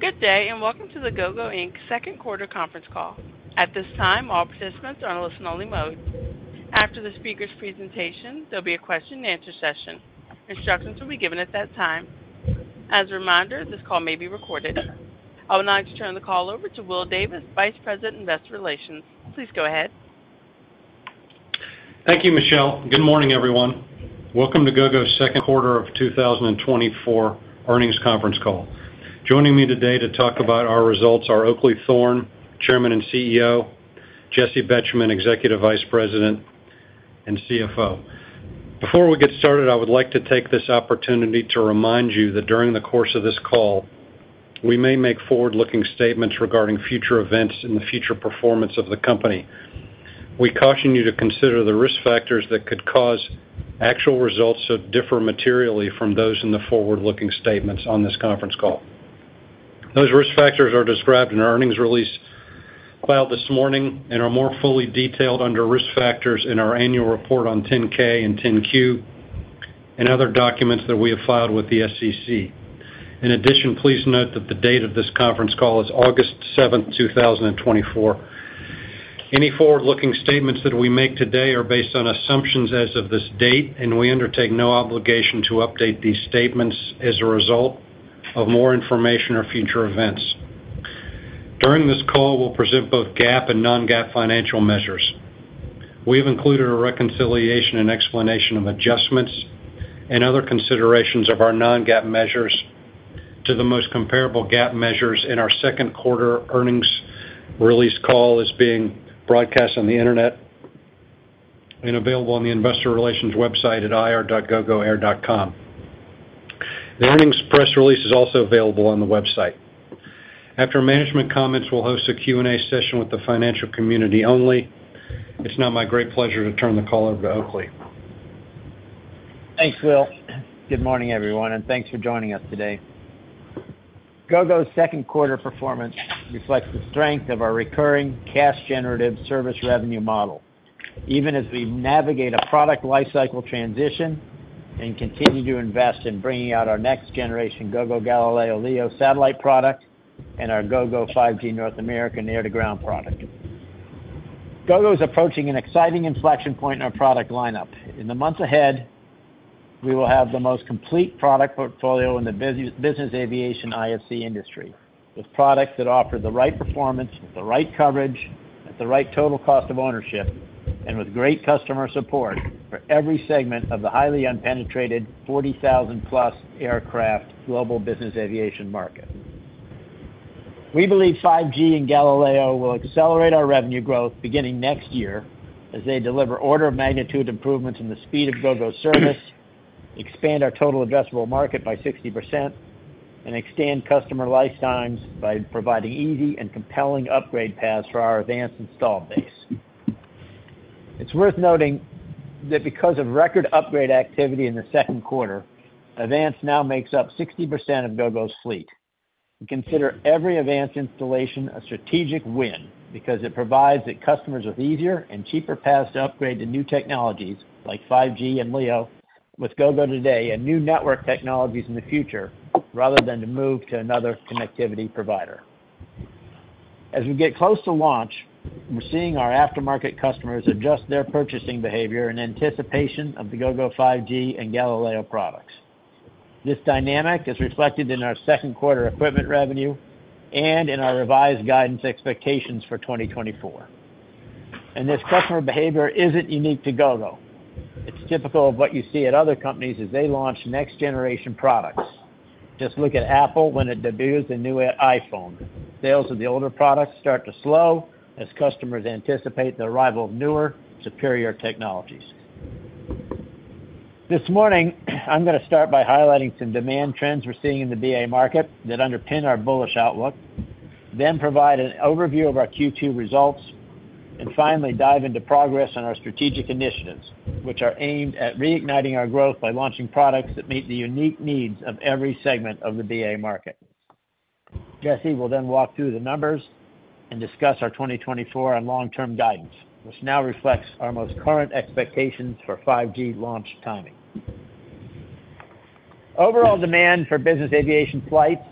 Good day, and welcome to the Gogo Inc. second quarter conference call. At this time, all participants are in listen-only mode. After the speaker's presentation, there'll be a question-and-answer session. Instructions will be given at that time. As a reminder, this call may be recorded. I would now like to turn the call over to Will Davis, Vice President, Investor Relations. Please go ahead. Thank you, Michelle. Good morning, everyone. Welcome to Gogo's second quarter of 2024 earnings conference call. Joining me today to talk about our results are Oakleigh Thorne, Chairman and CEO, Jessi Betjemann, Executive Vice President and CFO. Before we get started, I would like to take this opportunity to remind you that during the course of this call, we may make forward-looking statements regarding future events and the future performance of the company. We caution you to consider the risk factors that could cause actual results to differ materially from those in the forward-looking statements on this conference call. Those risk factors are described in our earnings release filed this morning and are more fully detailed under Risk Factors in our annual report on 10-K and 10-Q, and other documents that we have filed with the SEC. In addition, please note that the date of this conference call is 7 August, 2024. Any forward-looking statements that we make today are based on assumptions as of this date, and we undertake no obligation to update these statements as a result of more information or future events. During this call, we'll present both GAAP and non-GAAP financial measures. We have included a reconciliation and explanation of adjustments and other considerations of our non-GAAP measures to the most comparable GAAP measures, and our second quarter earnings release call is being broadcast on the internet and available on the investor relations website at ir.gogoair.com. The earnings press release is also available on the website. After management comments, we'll host a Q&A session with the financial community only. It's now my great pleasure to turn the call over to Oakleigh. Thanks, Will. Good morning, everyone, and thanks for joining us today. Gogo's second quarter performance reflects the strength of our recurring, cash-generative service revenue model, even as we navigate a product lifecycle transition and continue to invest in bringing out our next-generation Gogo Galileo LEO satellite product and our Gogo 5G North America air-to-ground product. Gogo is approaching an exciting inflection point in our product lineup. In the months ahead, we will have the most complete product portfolio in the business aviation IFC industry, with products that offer the right performance, with the right coverage, at the right total cost of ownership, and with great customer support for every segment of the highly unpenetrated 40,000+ aircraft global business aviation market. We believe 5G and Galileo will accelerate our revenue growth beginning next year, as they deliver order-of-magnitude improvements in the speed of Gogo's service, expand our total addressable market by 60%, and extend customer lifetimes by providing easy and compelling upgrade paths for our AVANCE installed base. It's worth noting that because of record upgrade activity in the second quarter, AVANCE now makes up 60% of Gogo's fleet. We consider every AVANCE installation a strategic win because it provides the customers with easier and cheaper paths to upgrade to new technologies, like 5G and LEO, with Gogo today and new network technologies in the future, rather than to move to another connectivity provider. As we get close to launch, we're seeing our aftermarket customers adjust their purchasing behavior in anticipation of the Gogo 5G and Galileo products. This dynamic is reflected in our second quarter equipment revenue and in our revised guidance expectations for 2024. This customer behavior isn't unique to Gogo. It's typical of what you see at other companies as they launch next-generation products. Just look at Apple when it debuts the new iPhone. Sales of the older products start to slow as customers anticipate the arrival of newer, superior technologies. This morning, I'm gonna start by highlighting some demand trends we're seeing in the BA market that underpin our bullish outlook, then provide an overview of our Q2 results, and finally, dive into progress on our strategic initiatives, which are aimed at reigniting our growth by launching products that meet the unique needs of every segment of the BA market. Jessi will then walk through the numbers and discuss our 2024 and long-term guidance, which now reflects our most current expectations for 5G launch timing. Overall demand for business aviation flights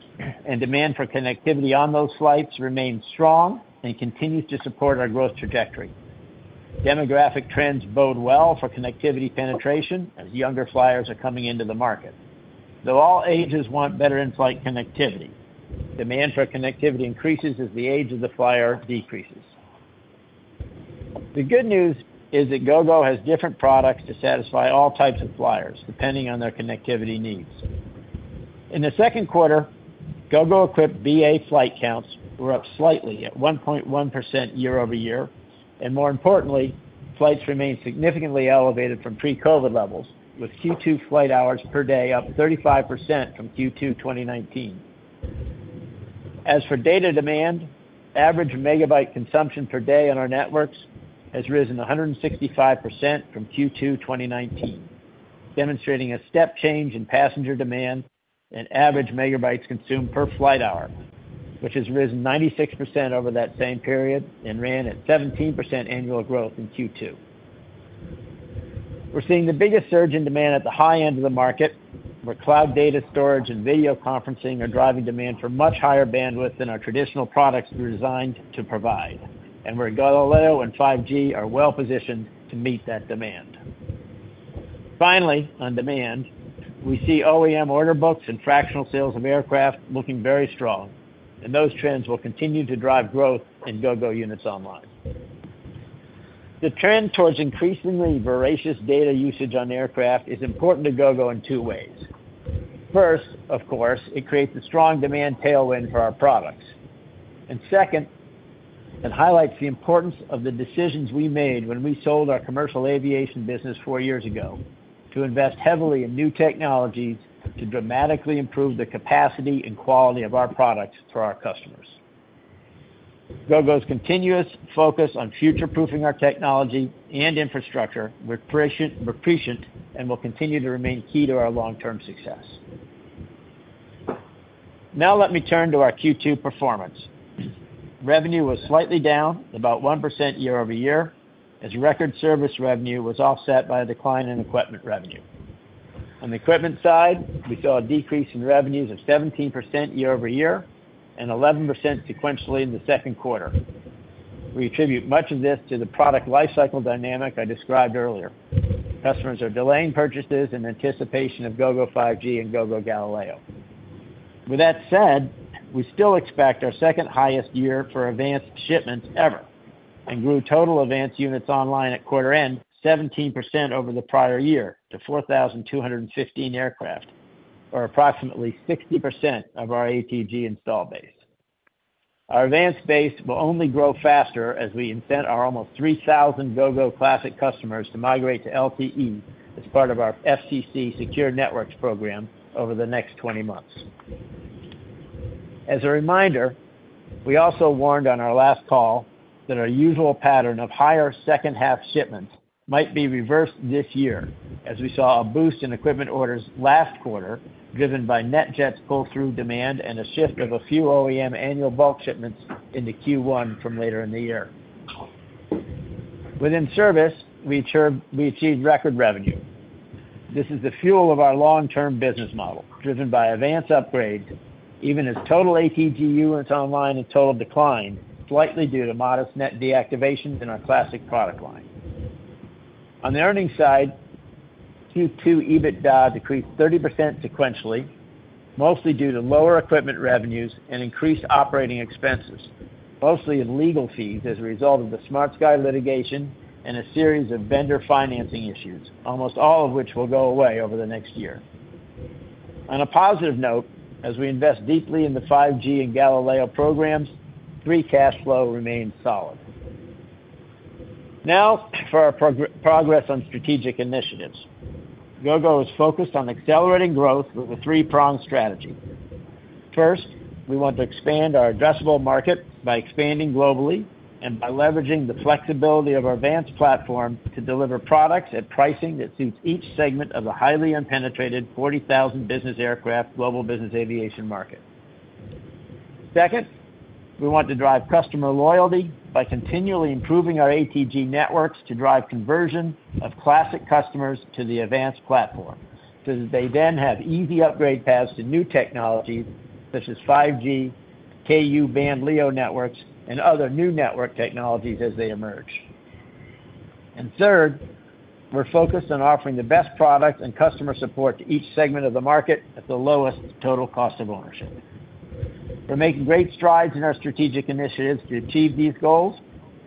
and demand for connectivity on those flights remains strong and continues to support our growth trajectory. Demographic trends bode well for connectivity penetration as younger flyers are coming into the market. Though all ages want better in-flight connectivity, demand for connectivity increases as the age of the flyer decreases. The good news is that Gogo has different products to satisfy all types of flyers, depending on their connectivity needs. In the second quarter, Gogo-equipped BA flight counts were up slightly at 1.1% year-over-year, and more importantly, flights remained significantly elevated from pre-COVID levels, with Q2 flight hours per day up 35% from Q2 2019. As for data demand, average megabyte consumption per day on our networks has risen 165% from Q2 2019, demonstrating a step change in passenger demand and average megabytes consumed per flight hour, which has risen 96% over that same period and ran at 17% annual growth in Q2. We're seeing the biggest surge in demand at the high end of the market, where cloud data storage and video conferencing are driving demand for much higher bandwidth than our traditional products were designed to provide, and where Galileo and 5G are well positioned to meet that demand. Finally, on demand, we see OEM order books and fractional sales of aircraft looking very strong, and those trends will continue to drive growth in Gogo units online. The trend towards increasingly voracious data usage on aircraft is important to Gogo in two ways. First, of course, it creates a strong demand tailwind for our products. Second, it highlights the importance of the decisions we made when we sold our commercial aviation business 4 years ago to invest heavily in new technologies to dramatically improve the capacity and quality of our products to our customers. Gogo's continuous focus on future-proofing our technology and infrastructure; we're prescient, we're prescient, and will continue to remain key to our long-term success. Now let me turn to our Q2 performance. Revenue was slightly down, about 1% year-over-year, as record service revenue was offset by a decline in equipment revenue. On the equipment side, we saw a decrease in revenues of 17% year-over-year and 11% sequentially in the second quarter. We attribute much of this to the product lifecycle dynamic I described earlier. Customers are delaying purchases in anticipation of Gogo 5G and Gogo Galileo. With that said, we still expect our second highest year for AVANCE shipments ever, and grew total AVANCE units online at quarter end, 17% over the prior year to 4,215 aircraft, or approximately 60% of our ATG install base. Our AVANCE base will only grow faster as we incent our almost 3,000 Gogo Classic customers to migrate to LTE as part of our FCC Secure Networks program over the next 20 months. As a reminder, we also warned on our last call that our usual pattern of higher second-half shipments might be reversed this year, as we saw a boost in equipment orders last quarter, driven by NetJets pull-through demand and a shift of a few OEM annual bulk shipments into Q1 from later in the year. Within service, we achieved record revenue. This is the fuel of our long-term business model, driven by AVANCE upgrades, even as total ATG units online in total decline, slightly due to modest net deactivations in our Classic product line. On the earnings side, Q2 EBITDA decreased 30% sequentially, mostly due to lower equipment revenues and increased operating expenses, mostly in legal fees as a result of the SmartSky litigation and a series of vendor financing issues, almost all of which will go away over the next year. On a positive note, as we invest deeply in the 5G and Galileo programs, free cash flow remains solid. Now, for our progress on strategic initiatives. Gogo is focused on accelerating growth with a three-pronged strategy. First, we want to expand our addressable market by expanding globally and by leveraging the flexibility of our AVANCE platform to deliver products at pricing that suits each segment of the highly unpenetrated 40,000 business aircraft global business aviation market. Second, we want to drive customer loyalty by continually improving our ATG networks to drive conversion of Classic customers to the AVANCE platform, so that they then have easy upgrade paths to new technology, such as 5G, Ku-band LEO networks, and other new network technologies as they emerge. And third, we're focused on offering the best product and customer support to each segment of the market at the lowest total cost of ownership. We're making great strides in our strategic initiatives to achieve these goals.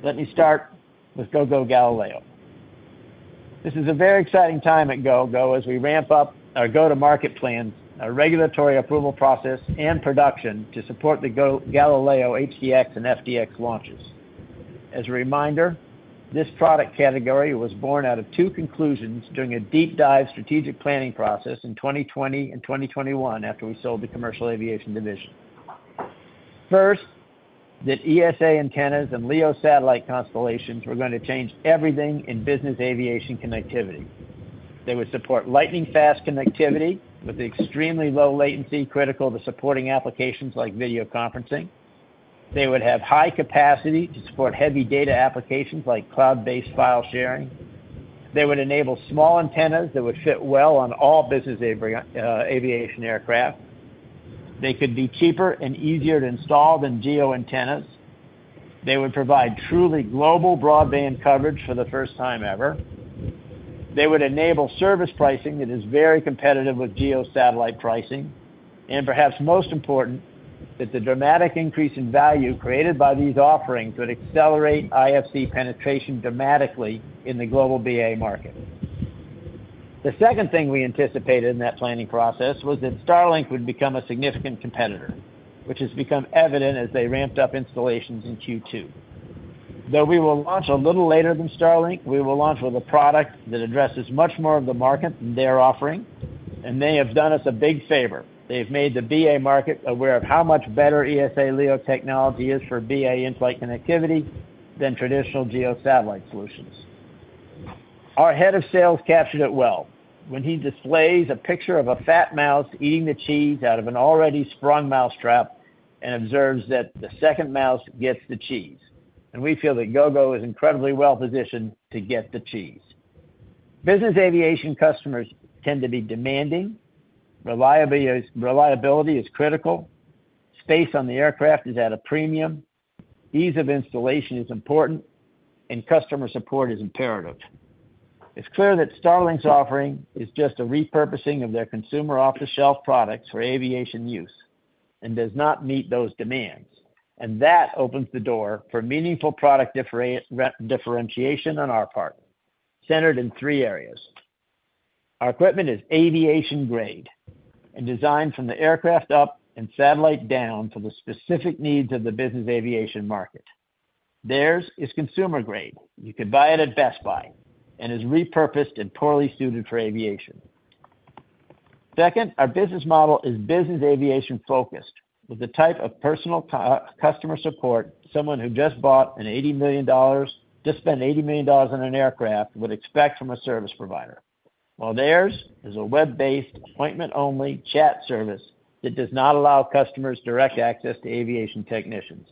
Let me start with Gogo Galileo. This is a very exciting time at Gogo as we ramp up our go-to-market plan, our regulatory approval process, and production to support the Gogo Galileo HDX and FDX launches. As a reminder, this product category was born out of two conclusions during a deep dive strategic planning process in 2020 and 2021 after we sold the commercial aviation division. First, that ESA antennas and LEO satellite constellations were going to change everything in business aviation connectivity. They would support lightning-fast connectivity with extremely low latency, critical to supporting applications like video conferencing. They would have high capacity to support heavy data applications like cloud-based file sharing. They would enable small antennas that would fit well on all business aviation aircraft. They could be cheaper and easier to install than GEO antennas. They would provide truly global broadband coverage for the first time ever. They would enable service pricing that is very competitive with GEO satellite pricing, and perhaps most important, that the dramatic increase in value created by these offerings would accelerate IFC penetration dramatically in the global BA market. The second thing we anticipated in that planning process was that Starlink would become a significant competitor, which has become evident as they ramped up installations in Q2. Though we will launch a little later than Starlink, we will launch with a product that addresses much more of the market than they are offering, and they have done us a big favor. They've made the BA market aware of how much better ESA LEO technology is for BA in-flight connectivity than traditional GEO satellite solutions. Our head of sales captured it well when he displays a picture of a fat mouse eating the cheese out of an already sprung mousetrap. and observes that the second mouse gets the cheese, and we feel that Gogo is incredibly well-positioned to get the cheese. Business aviation customers tend to be demanding, reliability is, reliability is critical, space on the aircraft is at a premium, ease of installation is important, and customer support is imperative. It's clear that Starlink's offering is just a repurposing of their consumer off-the-shelf products for aviation use and does not meet those demands, and that opens the door for meaningful product differentiation on our part, centered in three areas. Our equipment is aviation-grade and designed from the aircraft up and satellite down to the specific needs of the business aviation market. Theirs is consumer-grade, you could buy it at Best Buy, and is repurposed and poorly suited for aviation. Second, our business model is business aviation-focused, with the type of personal customer support someone who just bought an $80 million-- just spent $80 million on an aircraft, would expect from a service provider. While theirs is a web-based, appointment-only chat service that does not allow customers direct access to aviation technicians.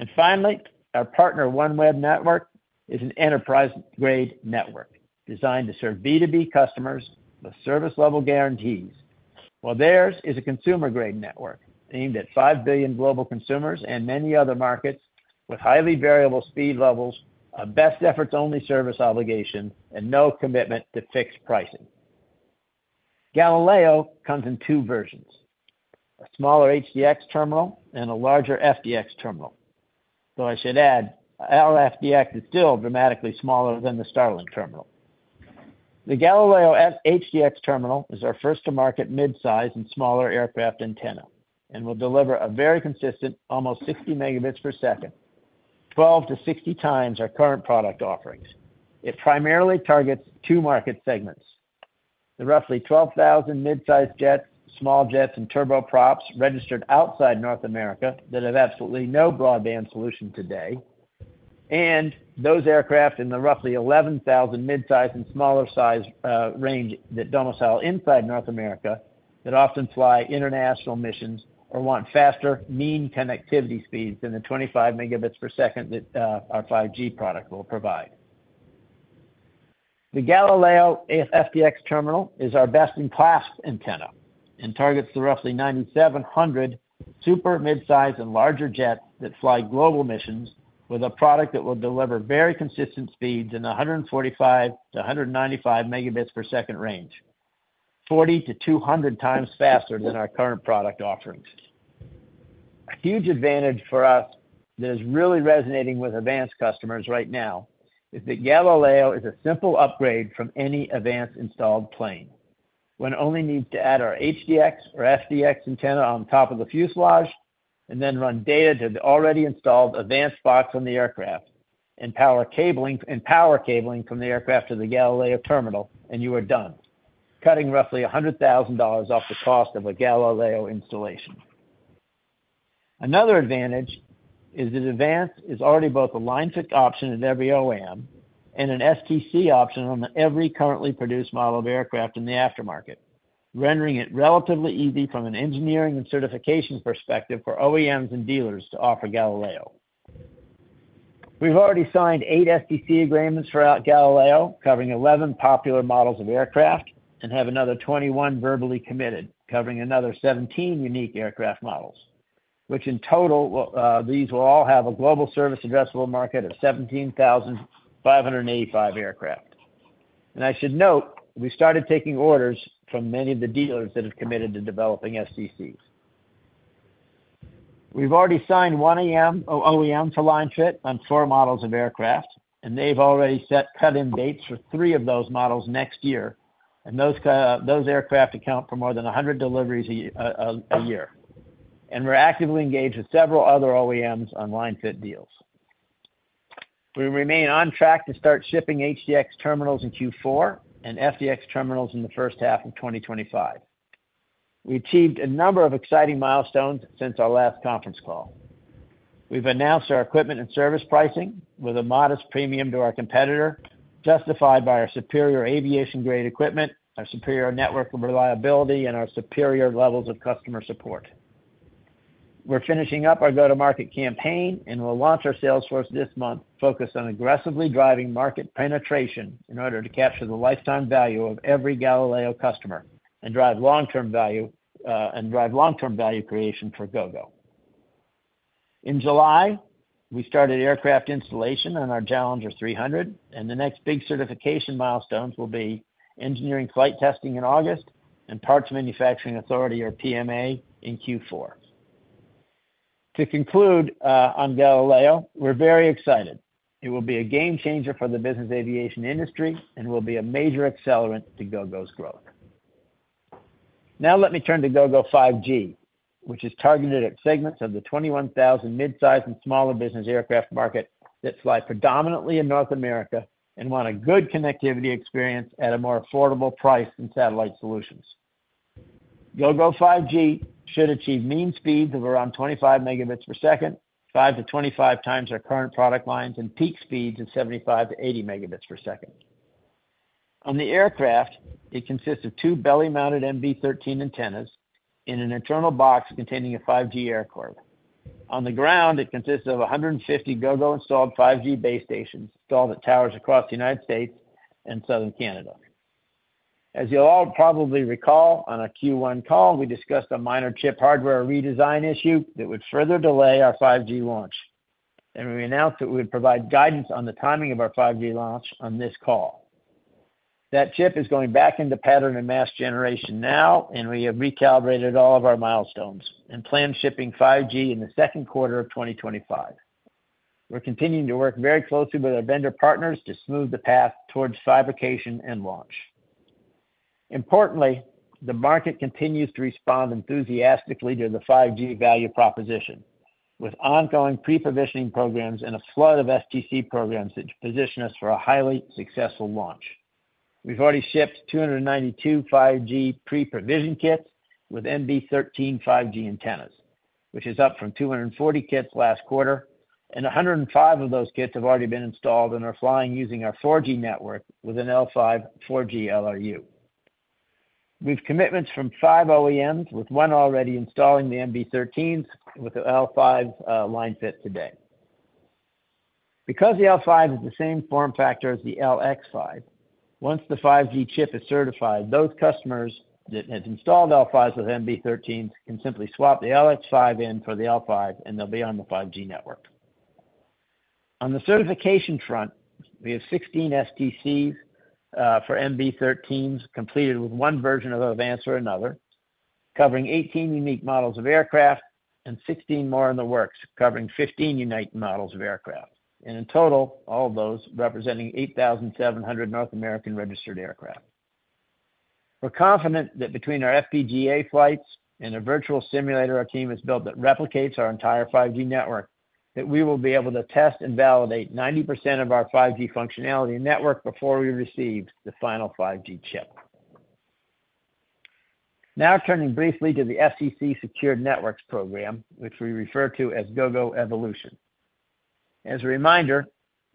And finally, our partner, OneWeb Network, is an enterprise-grade network designed to serve B2B customers with service-level guarantees, while theirs is a consumer-grade network aimed at 5 billion global consumers and many other markets with highly variable speed levels, a best efforts-only service obligation, and no commitment to fixed pricing. Galileo comes in two versions, a smaller HDX terminal and a larger FDX terminal, though I should add, our FDX is still dramatically smaller than the Starlink terminal. The Galileo HDX terminal is our first to market mid-size and smaller aircraft antenna and will deliver a very consistent, almost 60 Mbps, 12-60 times our current product offerings. It primarily targets two market segments, the roughly 12,000 mid-size jets, small jets, and turboprops registered outside North America that have absolutely no broadband solution today, and those aircraft in the roughly 11,000 mid-size and smaller size range, that domicile inside North America, that often fly international missions or want faster mean connectivity speeds than the 25 Mbps that our 5G product will provide. The Galileo FDX terminal is our best-in-class antenna and targets the roughly 9,700 super mid-size and larger jets that fly global missions with a product that will deliver very consistent speeds in the 145 Mbps-195 Mbps range, 40-200 times faster than our current product offerings. A huge advantage for us that is really resonating with AVANCE customers right now, is that Galileo is a simple upgrade from any AVANCE installed plane. One only needs to add our HDX or FDX antenna on top of the fuselage and then run data to the already installed AVANCE spots on the aircraft, and power cabling, and power cabling from the aircraft to the Galileo terminal, and you are done, cutting roughly $100,000 off the cost of a Galileo installation. Another advantage is that AVANCE is already both a line-fit option in every OEM and an STC option on every currently produced model of aircraft in the aftermarket, rendering it relatively easy from an engineering and certification perspective for OEMs and dealers to offer Galileo. We've already signed 8 STC agreements for our Galileo, covering 11 popular models of aircraft, and have another 21 verbally committed, covering another 17 unique aircraft models, which in total will, these will all have a global service addressable market of 17,585 aircraft. And I should note, we started taking orders from many of the dealers that have committed to developing STCs. We've already signed 1 OEM to line fit on 4 models of aircraft, and they've already set cut-in dates for three of those models next year. And those aircraft account for more than 100 deliveries a year. We're actively engaged with several other OEMs on line-fit deals. We remain on track to start shipping HDX terminals in Q4 and FDX terminals in the first half of 2025. We achieved a number of exciting milestones since our last conference call. We've announced our equipment and service pricing with a modest premium to our competitor, justified by our superior aviation-grade equipment, our superior network reliability, and our superior levels of customer support. We're finishing up our go-to-market campaign, and we'll launch our sales force this month, focused on aggressively driving market penetration in order to capture the lifetime value of every Galileo customer and drive long-term value creation for Gogo. In July, we started aircraft installation on our Challenger 300, and the next big certification milestones will be engineering flight testing in August and Parts Manufacturer Approval, or PMA, in Q4. To conclude on Galileo, we're very excited. It will be a game changer for the business aviation industry and will be a major accelerant to Gogo's growth. Now let me turn to Gogo 5G, which is targeted at segments of the 21,000 mid-size and smaller business aircraft market that fly predominantly in North America and want a good connectivity experience at a more affordable price than satellite solutions. Gogo 5G should achieve mean speeds of around 25 Mbps, 5-25 times our current product lines, and peak speeds of 75 Mbps-80 Mbps. On the aircraft, it consists of 2 belly-mounted MB13 antennas and an internal box containing a 5G air card. On the ground, it consists of 150 Gogo-installed 5G base stations, installed at towers across the United States and Southern Canada. As you'll all probably recall, on our Q1 call, we discussed a minor chip hardware redesign issue that would further delay our 5G launch, and we announced that we would provide guidance on the timing of our 5G launch on this call. That chip is going back into pattern and mask generation now, and we have recalibrated all of our milestones and plan shipping 5G in the second quarter of 2025. We're continuing to work very closely with our vendor partners to smooth the path towards certification and launch. Importantly, the market continues to respond enthusiastically to the 5G value proposition, with ongoing pre-provisioning programs and a flood of STC programs that position us for a highly successful launch. We've already shipped 292 5G pre-provision kits with MB13 5G antennas, which is up from 240 kits last quarter, and 105 of those kits have already been installed and are flying using our 4G network with an L5 4G LRU. We've commitments from five OEMs, with one already installing the MB13s with the L5 line fit today. Because the L5 is the same form factor as the LX5, once the 5G chip is certified, those customers that have installed L5s with MB13s can simply swap the LX5 in for the L5, and they'll be on the 5G network. On the certification front, we have 16 STCs for MB13s, completed with one version of AVANCE or another, covering 18 unique models of aircraft and 16 more in the works, covering 15 unique models of aircraft. In total, all of those representing 8,700 North American-registered aircraft. We're confident that between our FPGA flights and a virtual simulator our team has built that replicates our entire 5G network, that we will be able to test and validate 90% of our 5G functionality network before we receive the final 5G chip. Now, turning briefly to the FCC Secure Networks program, which we refer to as Gogo Evolution. As a reminder,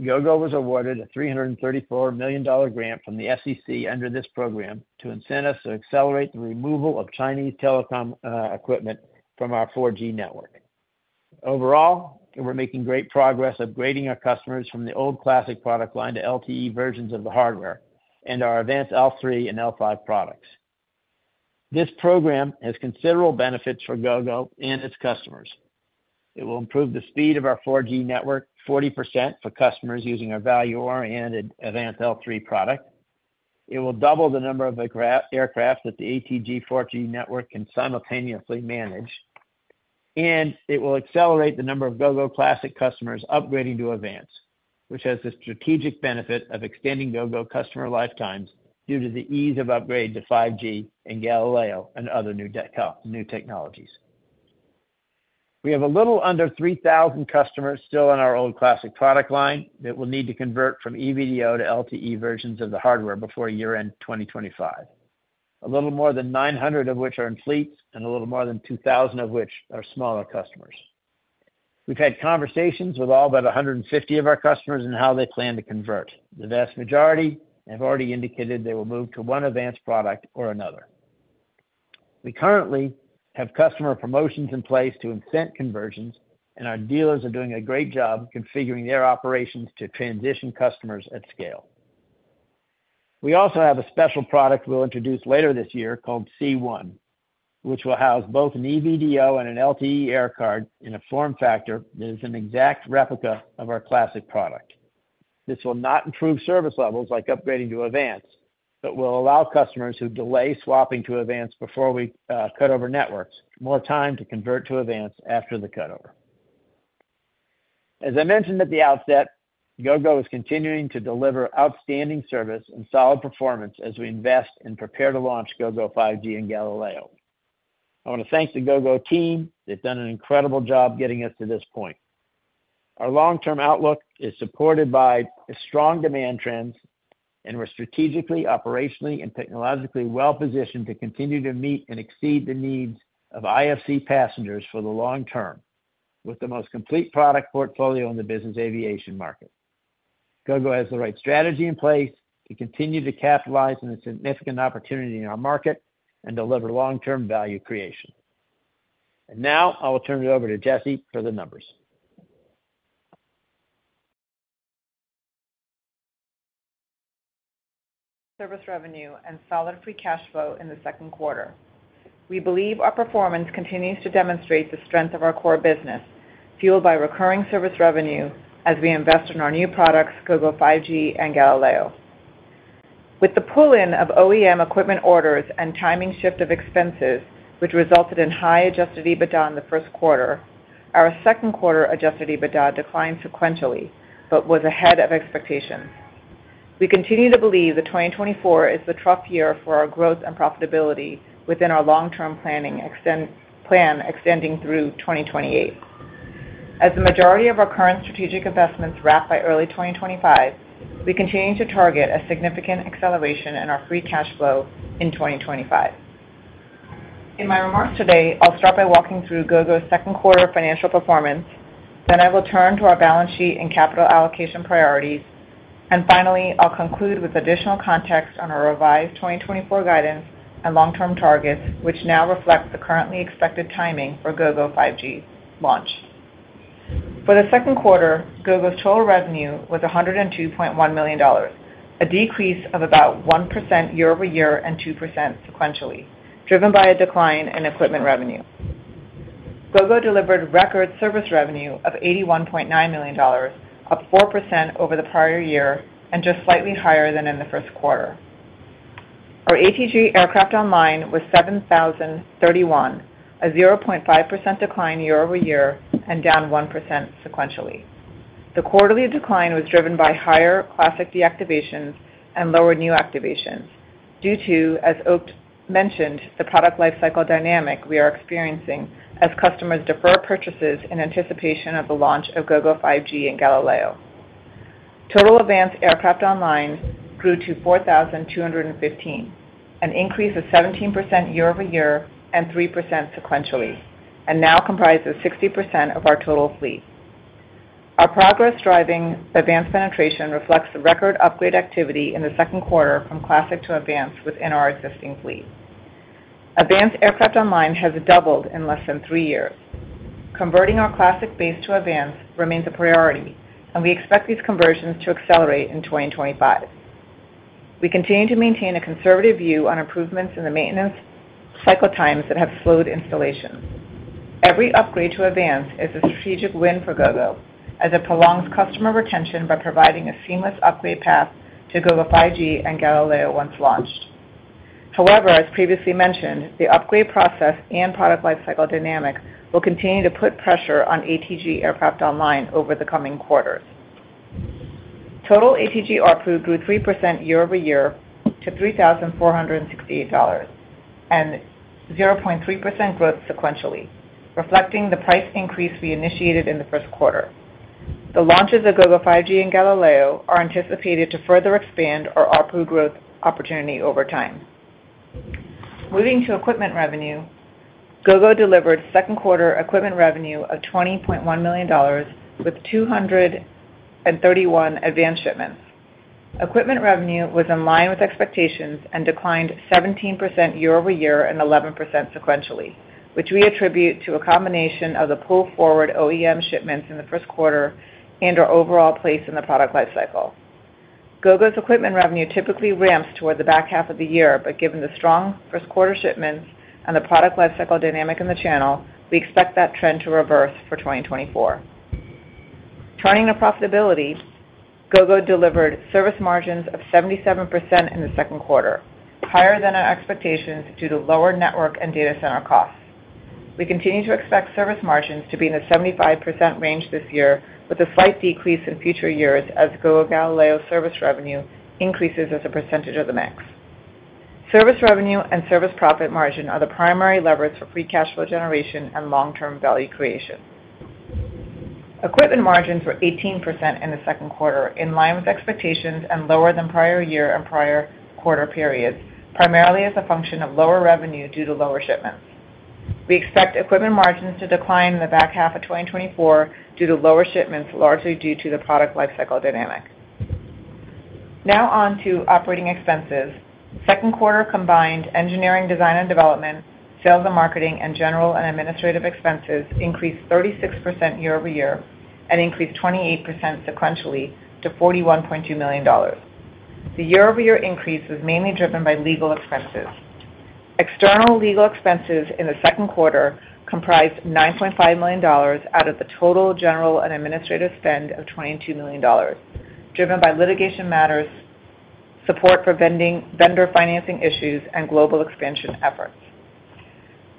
Gogo was awarded a $334 million grant from the FCC under this program to incent us to accelerate the removal of Chinese telecom equipment from our 4G network. Overall, we're making great progress upgrading our customers from the old Classic product line to LTE versions of the hardware and our AVANCE L3 and L5 products. This program has considerable benefits for Gogo and its customers. It will improve the speed of our 4G network 40% for customers using our L5 and AVANCE L3 product. It will double the number of aircraft, aircraft that the ATG 4G network can simultaneously manage, and it will accelerate the number of Gogo Classic customers upgrading to AVANCE, which has the strategic benefit of extending Gogo customer lifetimes due to the ease of upgrade to 5G and Galileo and other new tech, new technologies. We have a little under 3,000 customers still on our old Classic product line that will need to convert from EV-DO to LTE versions of the hardware before year-end 2025. A little more than 900 of which are in fleets, and a little more than 2,000 of which are smaller customers. We've had conversations with all but 150 of our customers on how they plan to convert. The vast majority have already indicated they will move to one AVANCE product or another. We currently have customer promotions in place to incent conversions, and our dealers are doing a great job configuring their operations to transition customers at scale. We also have a special product we'll introduce later this year called C1, which will house both an EV-DO and an LTE air card in a form factor that is an exact replica of our Classic product. This will not improve service levels like upgrading to AVANCE, but will allow customers who delay swapping to AVANCE before we cut over networks, more time to convert to AVANCE after the cutover. As I mentioned at the outset, Gogo is continuing to deliver outstanding service and solid performance as we invest and prepare to launch Gogo 5G and Galileo. I want to thank the Gogo team. They've done an incredible job getting us to this point. Our long-term outlook is supported by strong demand trends, and we're strategically, operationally, and technologically well positioned to continue to meet and exceed the needs of IFC passengers for the long term, with the most complete product portfolio in the business aviation market. Gogo has the right strategy in place to continue to capitalize on the significant opportunity in our market and deliver long-term value creation. Now, I will turn it over to Jessi for the numbers. Service revenue and solid free cash flow in the second quarter. We believe our performance continues to demonstrate the strength of our core business, fueled by recurring service revenue as we invest in our new products, Gogo 5G and Galileo. With the pull-in of OEM equipment orders and timing shift of expenses, which resulted in higher adjusted EBITDA in the first quarter, our second quarter adjusted EBITDA declined sequentially but was ahead of expectations. We continue to believe that 2024 is the trough year for our growth and profitability within our long-term plan, extending through 2028. As the majority of our current strategic investments wrap by early 2025, we continue to target a significant acceleration in our free cash flow in 2025.... In my remarks today, I'll start by walking through Gogo's second quarter financial performance. I will turn to our balance sheet and capital allocation priorities. Finally, I'll conclude with additional context on our revised 2024 guidance and long-term targets, which now reflect the currently expected timing for Gogo 5G launch. For the second quarter, Gogo's total revenue was $102.1 million, a decrease of about 1% year-over-year and 2% sequentially, driven by a decline in equipment revenue. Gogo delivered record service revenue of $81.9 million, up 4% over the prior year and just slightly higher than in the first quarter. Our ATG aircraft online was 7,031, a 0.5% decline year-over-year and down 1% sequentially. The quarterly decline was driven by higher Classic deactivations and lower new activations due to, as Oakleigh mentioned, the product lifecycle dynamic we are experiencing as customers defer purchases in anticipation of the launch of Gogo 5G and Galileo. Total AVANCE aircraft online grew to 4,215, an increase of 17% year-over-year and 3% sequentially, and now comprises 60% of our total fleet. Our progress driving AVANCE penetration reflects the record upgrade activity in the second quarter from Classic to AVANCE within our existing fleet. AVANCE aircraft online has doubled in less than three years. Converting our Classic base to AVANCE remains a priority, and we expect these conversions to accelerate in 2025. We continue to maintain a conservative view on improvements in the maintenance cycle times that have slowed installation. Every upgrade to AVANCE is a strategic win for Gogo, as it prolongs customer retention by providing a seamless upgrade path to Gogo 5G and Galileo once launched. However, as previously mentioned, the upgrade process and product lifecycle dynamics will continue to put pressure on ATG aircraft online over the coming quarters. Total ATG ARPU grew 3% year-over-year to $3,468, and 0.3% growth sequentially, reflecting the price increase we initiated in the first quarter. The launches of Gogo 5G and Galileo are anticipated to further expand our ARPU growth opportunity over time. Moving to equipment revenue, Gogo delivered second quarter equipment revenue of $20.1 million, with 231 AVANCE shipments. Equipment revenue was in line with expectations and declined 17% year-over-year and 11% sequentially, which we attribute to a combination of the pull-forward OEM shipments in the first quarter and our overall place in the product lifecycle. Gogo's equipment revenue typically ramps toward the back half of the year, but given the strong first quarter shipments and the product lifecycle dynamic in the channel, we expect that trend to reverse for 2024. Turning to profitability, Gogo delivered service margins of 77% in the second quarter, higher than our expectations, due to lower network and data center costs. We continue to expect service margins to be in the 75% range this year, with a slight decrease in future years as Gogo Galileo service revenue increases as a percentage of the mix. Service revenue and service profit margin are the primary levers for free cash flow generation and long-term value creation. Equipment margins were 18% in the second quarter, in line with expectations and lower than prior year and prior quarter periods, primarily as a function of lower revenue due to lower shipments. We expect equipment margins to decline in the back half of 2024 due to lower shipments, largely due to the product lifecycle dynamic. Now on to operating expenses. Second quarter combined engineering, design and development, sales and marketing, and general and administrative expenses increased 36% year-over-year and increased 28% sequentially to $41.2 million. The year-over-year increase was mainly driven by legal expenses. External legal expenses in the second quarter comprised $9.5 million out of the total general and administrative spend of $22 million, driven by litigation matters, support for vendor financing issues, and global expansion efforts.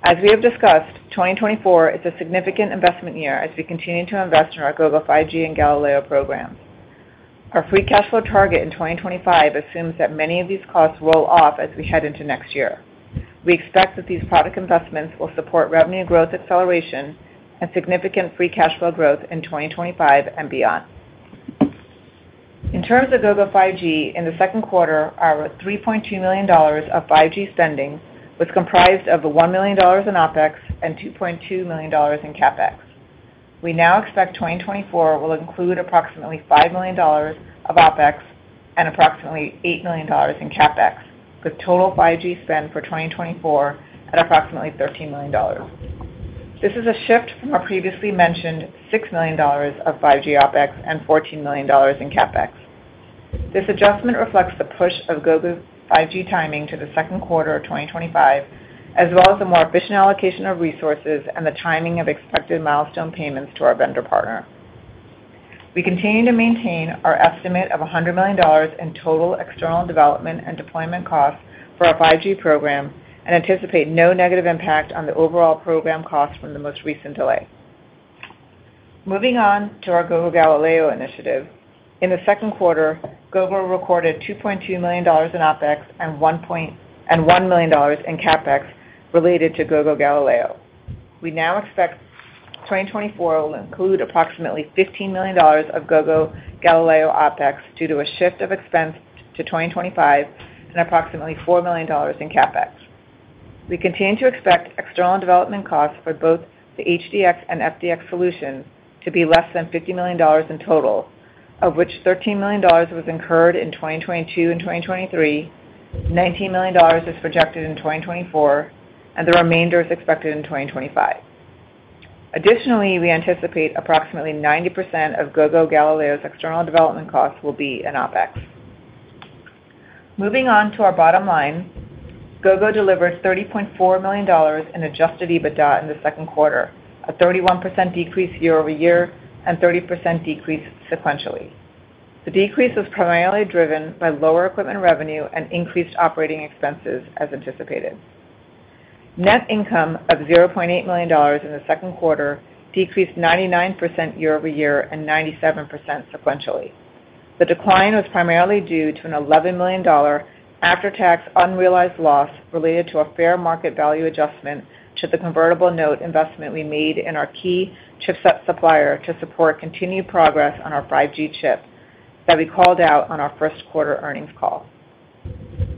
As we have discussed, 2024 is a significant investment year as we continue to invest in our Gogo 5G and Galileo programs. Our free cash flow target in 2025 assumes that many of these costs roll off as we head into next year. We expect that these product investments will support revenue growth, acceleration, and significant free cash flow growth in 2025 and beyond. In terms of Gogo 5G, in the second quarter, our $3.2 million of 5G spending was comprised of the $1 million in OpEx and $2.2 million in CapEx. We now expect 2024 will include approximately $5 million of OpEx and approximately $8 million in CapEx, with total 5G spend for 2024 at approximately $13 million. This is a shift from our previously mentioned $6 million of 5G OpEx and $14 million in CapEx. This adjustment reflects the push of Gogo's 5G timing to the second quarter of 2025, as well as the more efficient allocation of resources and the timing of expected milestone payments to our vendor partner. We continue to maintain our estimate of $100 million in total external development and deployment costs for our 5G program and anticipate no negative impact on the overall program costs from the most recent delay. Moving on to our Gogo Galileo initiative. In the second quarter, Gogo recorded $2.2 million in OpEx and $1.1 million in CapEx related to Gogo Galileo. We now expect 2024 will include approximately $15 million of Gogo Galileo OpEx due to a shift of expense to 2025 and approximately $4 million in CapEx. We continue to expect external development costs for both the HDX and FDX solutions to be less than $50 million in total, of which $13 million was incurred in 2022 and 2023, $19 million is projected in 2024, and the remainder is expected in 2025. Additionally, we anticipate approximately 90% of Gogo Galileo's external development costs will be in OpEx. Moving on to our bottom line, Gogo delivered $30.4 million in adjusted EBITDA in the second quarter, a 31% decrease year-over-year and 30% decrease sequentially. The decrease was primarily driven by lower equipment revenue and increased operating expenses, as anticipated. Net income of $0.8 million in the second quarter decreased 99% year-over-year and 97% sequentially. The decline was primarily due to an $11 million after-tax unrealized loss related to a fair market value adjustment to the convertible note investment we made in our key chipset supplier to support continued progress on our 5G chip that we called out on our first quarter earnings call.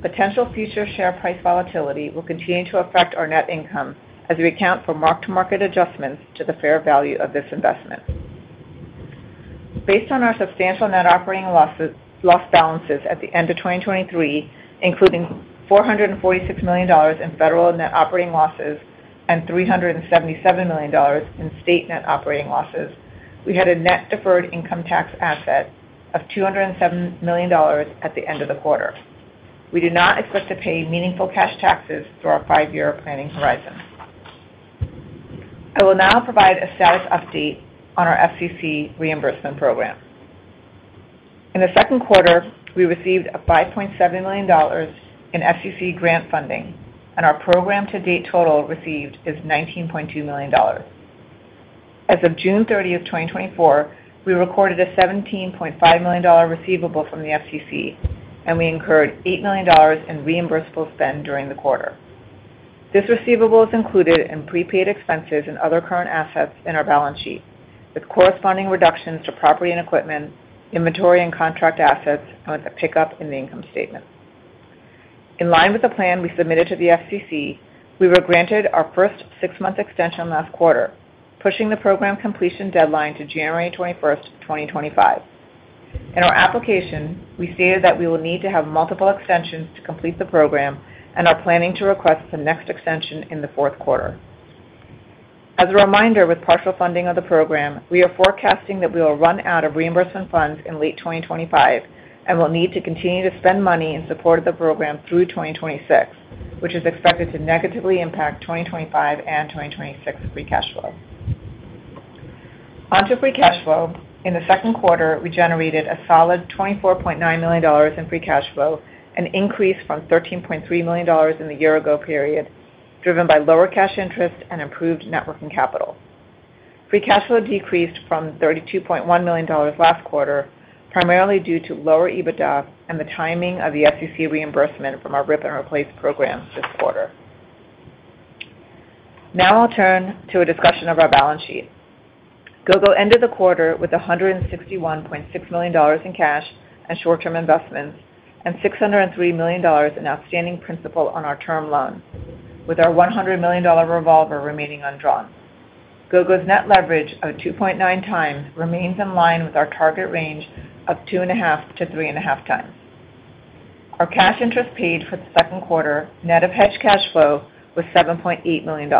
Potential future share price volatility will continue to affect our net income as we account for mark-to-market adjustments to the fair value of this investment. Based on our substantial net operating loss balances at the end of 2023, including $446 million in federal net operating losses and $377 million in state net operating losses, we had a net deferred income tax asset of $207 million at the end of the quarter. We do not expect to pay meaningful cash taxes through our five-year planning horizon. I will now provide a status update on our FCC reimbursement program. In the second quarter, we received $5.7 million in FCC grant funding, and our program to date total received is $19.2 million. As of June 30, 2024, we recorded a $17.5 million receivable from the FCC, and we incurred $8 million in reimbursable spend during the quarter. This receivable is included in prepaid expenses and other current assets in our balance sheet, with corresponding reductions to property and equipment, inventory and contract assets, and with a pickup in the income statement. In line with the plan we submitted to the FCC, we were granted our first six-month extension last quarter, pushing the program completion deadline to January 21, 2025. In our application, we stated that we will need to have multiple extensions to complete the program and are planning to request the next extension in the fourth quarter. As a reminder, with partial funding of the program, we are forecasting that we will run out of reimbursement funds in late 2025 and will need to continue to spend money in support of the program through 2026, which is expected to negatively impact 2025 and 2026 free cash flow. On to free cash flow. In the second quarter, we generated a solid $24.9 million in free cash flow, an increase from $13.3 million in the year-ago period, driven by lower cash interest and improved working capital. free cash flow decreased from $32.1 million last quarter, primarily due to lower EBITDA and the timing of the FCC reimbursement from our rip and replace program this quarter. Now I'll turn to a discussion of our balance sheet. Gogo ended the quarter with $161.6 million in cash and short-term investments, and $603 million in outstanding principal on our term loan, with our $100 million revolver remaining undrawn. Gogo's net leverage of 2.9x remains in line with our target range of 2.5x-3.5x. Our cash interest paid for the second quarter, net of hedged cash flow, was $7.8 million.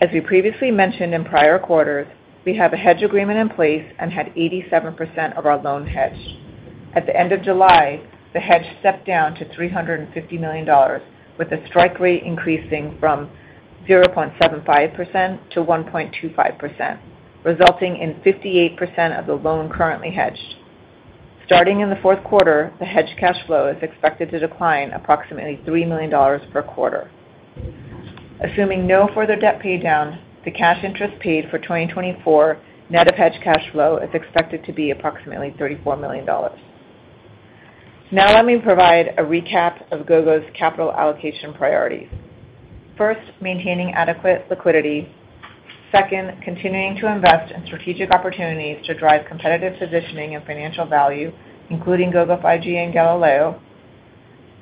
As we previously mentioned in prior quarters, we have a hedge agreement in place and had 87% of our loan hedged. At the end of July, the hedge stepped down to $350 million, with the strike rate increasing from 0.75%-1.25%, resulting in 58% of the loan currently hedged. Starting in the fourth quarter, the hedged cash flow is expected to decline approximately $3 million per quarter. Assuming no further debt paydown, the cash interest paid for 2024, net of hedged cash flow, is expected to be approximately $34 million. Now, let me provide a recap of Gogo's capital allocation priorities. First, maintaining adequate liquidity. Second, continuing to invest in strategic opportunities to drive competitive positioning and financial value, including Gogo 5G and Galileo.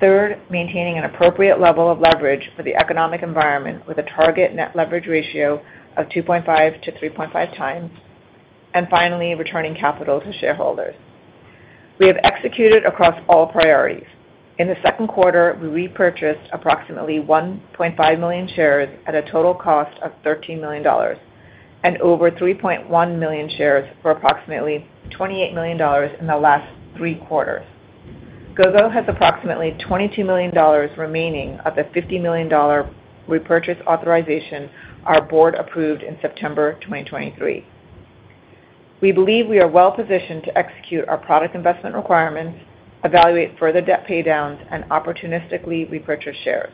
Third, maintaining an appropriate level of leverage for the economic environment with a target net leverage ratio of 2.5-3.5 times. And finally, returning capital to shareholders. We have executed across all priorities. In the second quarter, we repurchased approximately 1.5 million shares at a total cost of $13 million, and over 3.1 million shares for approximately $28 million in the last three quarters. Gogo has approximately $22 million remaining of the $50 million repurchase authorization our board approved in September 2023. We believe we are well positioned to execute our product investment requirements, evaluate further debt paydowns, and opportunistically repurchase shares.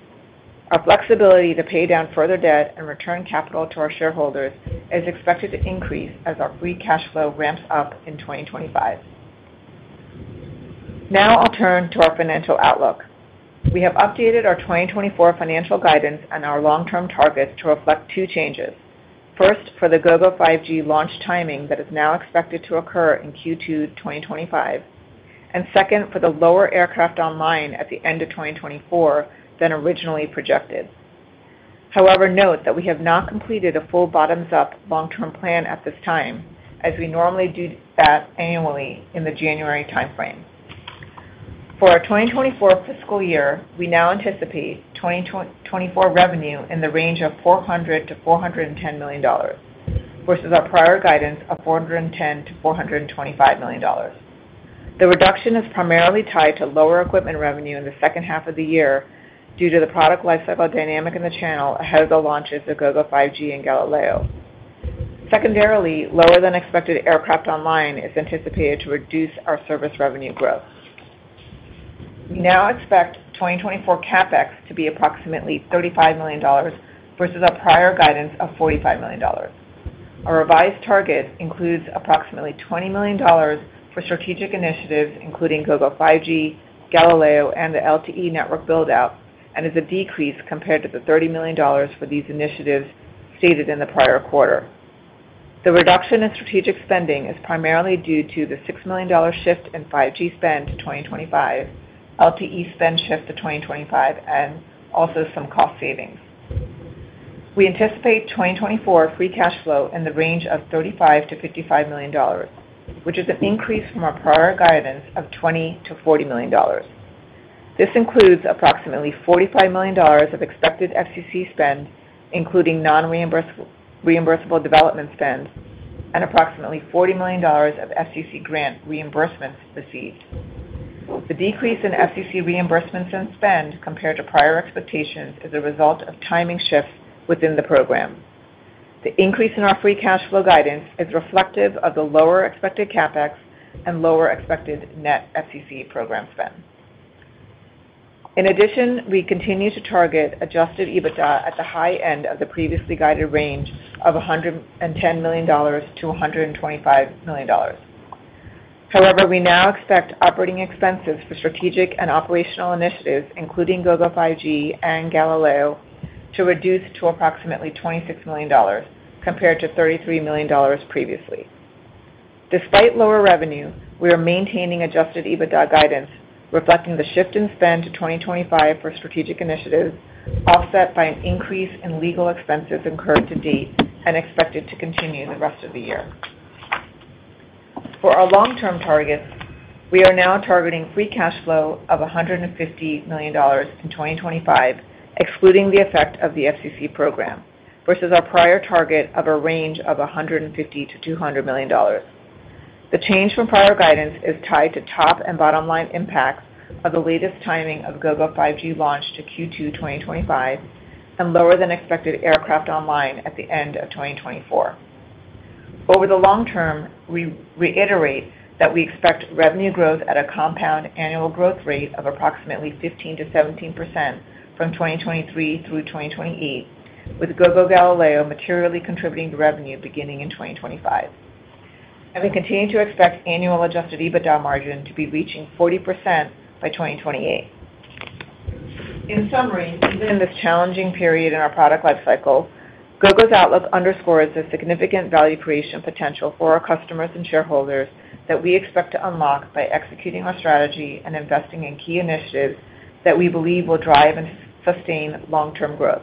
Our flexibility to pay down further debt and return capital to our shareholders is expected to increase as our free cash flow ramps up in 2025. Now I'll turn to our financial outlook. We have updated our 2024 financial guidance and our long-term targets to reflect two changes. First, for the Gogo 5G launch timing that is now expected to occur in Q2 2025, and second, for the lower aircraft online at the end of 2024 than originally projected. However, note that we have not completed a full bottoms-up long-term plan at this time, as we normally do that annually in the January timeframe. For our 2024 fiscal year, we now anticipate 2024 revenue in the range of $400 million-$410 million, versus our prior guidance of $410 million-$425 million. The reduction is primarily tied to lower equipment revenue in the second half of the year due to the product lifecycle dynamic in the channel ahead of the launches of Gogo 5G and Galileo. Secondarily, lower than expected aircraft online is anticipated to reduce our service revenue growth. We now expect 2024 CapEx to be approximately $35 million versus our prior guidance of $45 million. Our revised target includes approximately $20 million for strategic initiatives, including Gogo 5G, Galileo, and the LTE network build-out, and is a decrease compared to the $30 million for these initiatives stated in the prior quarter. The reduction in strategic spending is primarily due to the $6 million shift in 5G spend to 2025, LTE spend shift to 2025, and also some cost savings. We anticipate 2024 free cash flow in the range of $35 million-$55 million, which is an increase from our prior guidance of $20 million-$40 million. This includes approximately $45 million of expected FCC spend, including non-reimbursable development spends, and approximately $40 million of FCC grant reimbursements received. The decrease in FCC reimbursements and spend compared to prior expectations is a result of timing shifts within the program. The increase in our free cash flow guidance is reflective of the lower expected CapEx and lower expected net FCC program spend. In addition, we continue to target adjusted EBITDA at the high end of the previously guided range of $110 million-$125 million. However, we now expect operating expenses for strategic and operational initiatives, including Gogo 5G and Galileo, to reduce to approximately $26 million, compared to $33 million previously. Despite lower revenue, we are maintaining adjusted EBITDA guidance, reflecting the shift in spend to 2025 for strategic initiatives, offset by an increase in legal expenses incurred to date and expected to continue the rest of the year. For our long-term targets, we are now targeting free cash flow of $150 million in 2025, excluding the effect of the FCC program, versus our prior target of a range of $150 million-$200 million. The change from prior guidance is tied to top and bottom line impacts of the latest timing of Gogo 5G launch to Q2 2025 and lower than expected aircraft online at the end of 2024. Over the long term, we reiterate that we expect revenue growth at a compound annual growth rate of approximately 15%-17% from 2023 through 2028, with Gogo Galileo materially contributing to revenue beginning in 2025. We continue to expect annual Adjusted EBITDA margin to be reaching 40% by 2028. In summary, even in this challenging period in our product lifecycle, Gogo's outlook underscores the significant value creation potential for our customers and shareholders that we expect to unlock by executing our strategy and investing in key initiatives that we believe will drive and sustain long-term growth.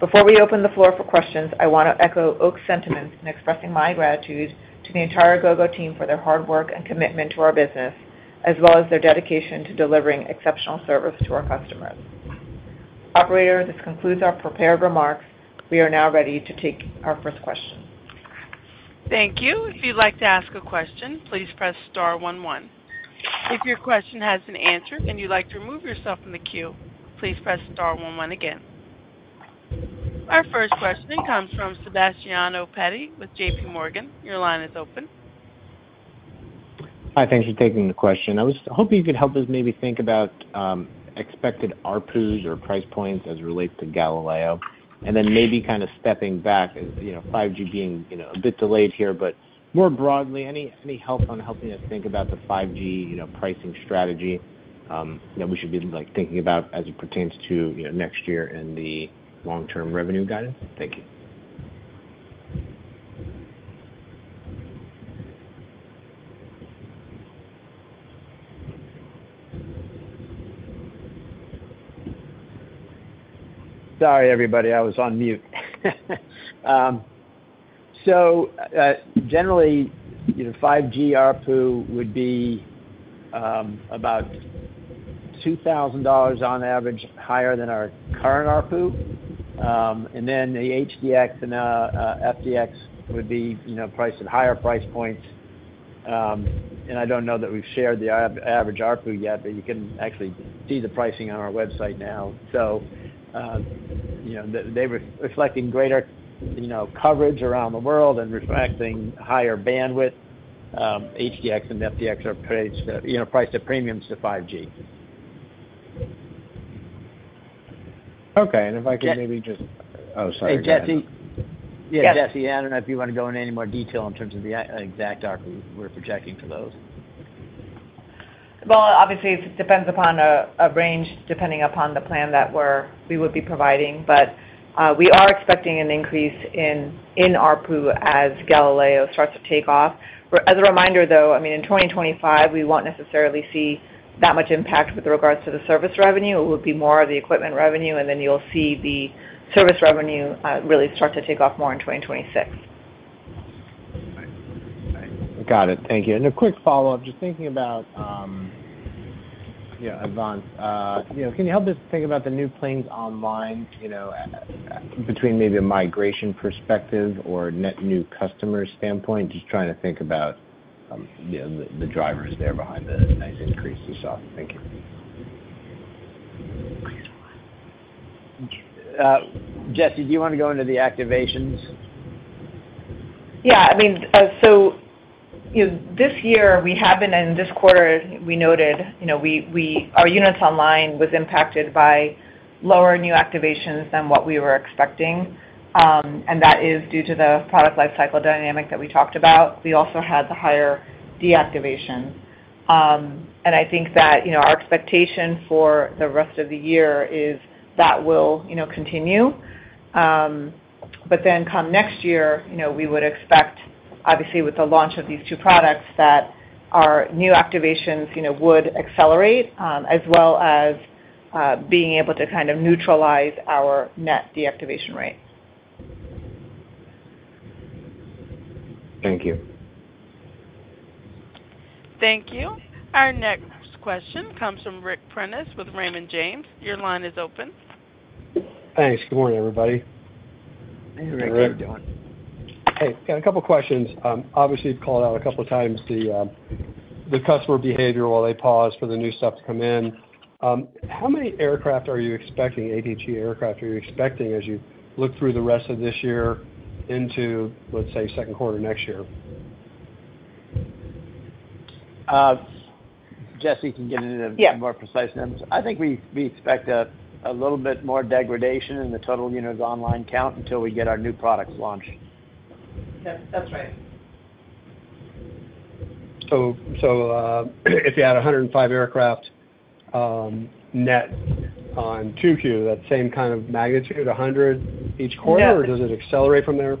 Before we open the floor for questions, I want to echo Oak's sentiments in expressing my gratitude to the entire Gogo team for their hard work and commitment to our business, as well as their dedication to delivering exceptional service to our customers. Operator, this concludes our prepared remarks. We are now ready to take our first question. Thank you. If you'd like to ask a question, please press star one one. If your question has been answered and you'd like to remove yourself from the queue, please press star one one again. Our first question comes from Sebastiano Petti with J.P. Morgan. Your line is open. Hi, thank you for taking the question. I was hoping you could help us maybe think about expected ARPU or price points as it relates to Galileo, and then maybe kind of stepping back, you know, 5G being, you know, a bit delayed here, but more broadly, any help on helping us think about the 5G, you know, pricing strategy that we should be, like, thinking about as it pertains to, you know, next year and the long-term revenue guidance? Thank you. Sorry, everybody, I was on mute. So, generally, you know, 5G ARPU would be about $2,000 on average, higher than our current ARPU. And then the HDX and FDX would be, you know, priced at higher price points. And I don't know that we've shared the average ARPU yet, but you can actually see the pricing on our website now. So, you know, they were reflecting greater, you know, coverage around the world and reflecting higher bandwidth. HDX and FDX are priced, you know, priced at premiums to 5G. Okay, and if I could maybe just. Oh, sorry. Hey, Jessi. Yeah, Jessi, I don't know if you want to go into any more detail in terms of the exact ARPU we're projecting for those. Well, obviously, it depends upon a range, depending upon the plan that we're providing. But, we are expecting an increase in ARPU as Galileo starts to take off. But as a reminder, though, I mean, in 2025, we won't necessarily see that much impact with regards to the service revenue. It would be more of the equipment revenue, and then you'll see the service revenue really start to take off more in 2026. Right. Got it. Thank you. And a quick follow-up, just thinking about, you know, AVANCE. You know, can you help us think about the new planes online, you know, between maybe a migration perspective or net new customer standpoint? Just trying to think about, you know, the drivers there behind the nice increase we saw. Thank you. Jessi, do you want to go into the activations? Yeah, I mean, so, you know, this year, we have been, and this quarter, we noted, you know, we—our units online was impacted by lower new activations than what we were expecting, and that is due to the product lifecycle dynamic that we talked about. We also had the higher deactivation. And I think that, you know, our expectation for the rest of the year is that will, you know, continue. But then come next year, you know, we would expect, obviously, with the launch of these two products, that our new activations, you know, would accelerate, as well as being able to kind of neutralize our net deactivation rate. Thank you. Thank you. Our next question comes from Ric Prentiss with Raymond James. Your line is open. Thanks. Good morning, everybody. Hey, Ric, how you doing? Hey, got a couple questions. Obviously, you've called out a couple of times the customer behavior while they pause for the new stuff to come in. How many aircraft are you expecting, add aircraft, are you expecting as you look through the rest of this year into, let's say, second quarter next year? Jessi can get into the- Yeah... more precise numbers. I think we expect a little bit more degradation in the total units online count until we get our new products launched. Yep, that's right. So, if you had 105 aircraft, net on 2Q, that same kind of magnitude, 100 each quarter? No. Or does it accelerate from there?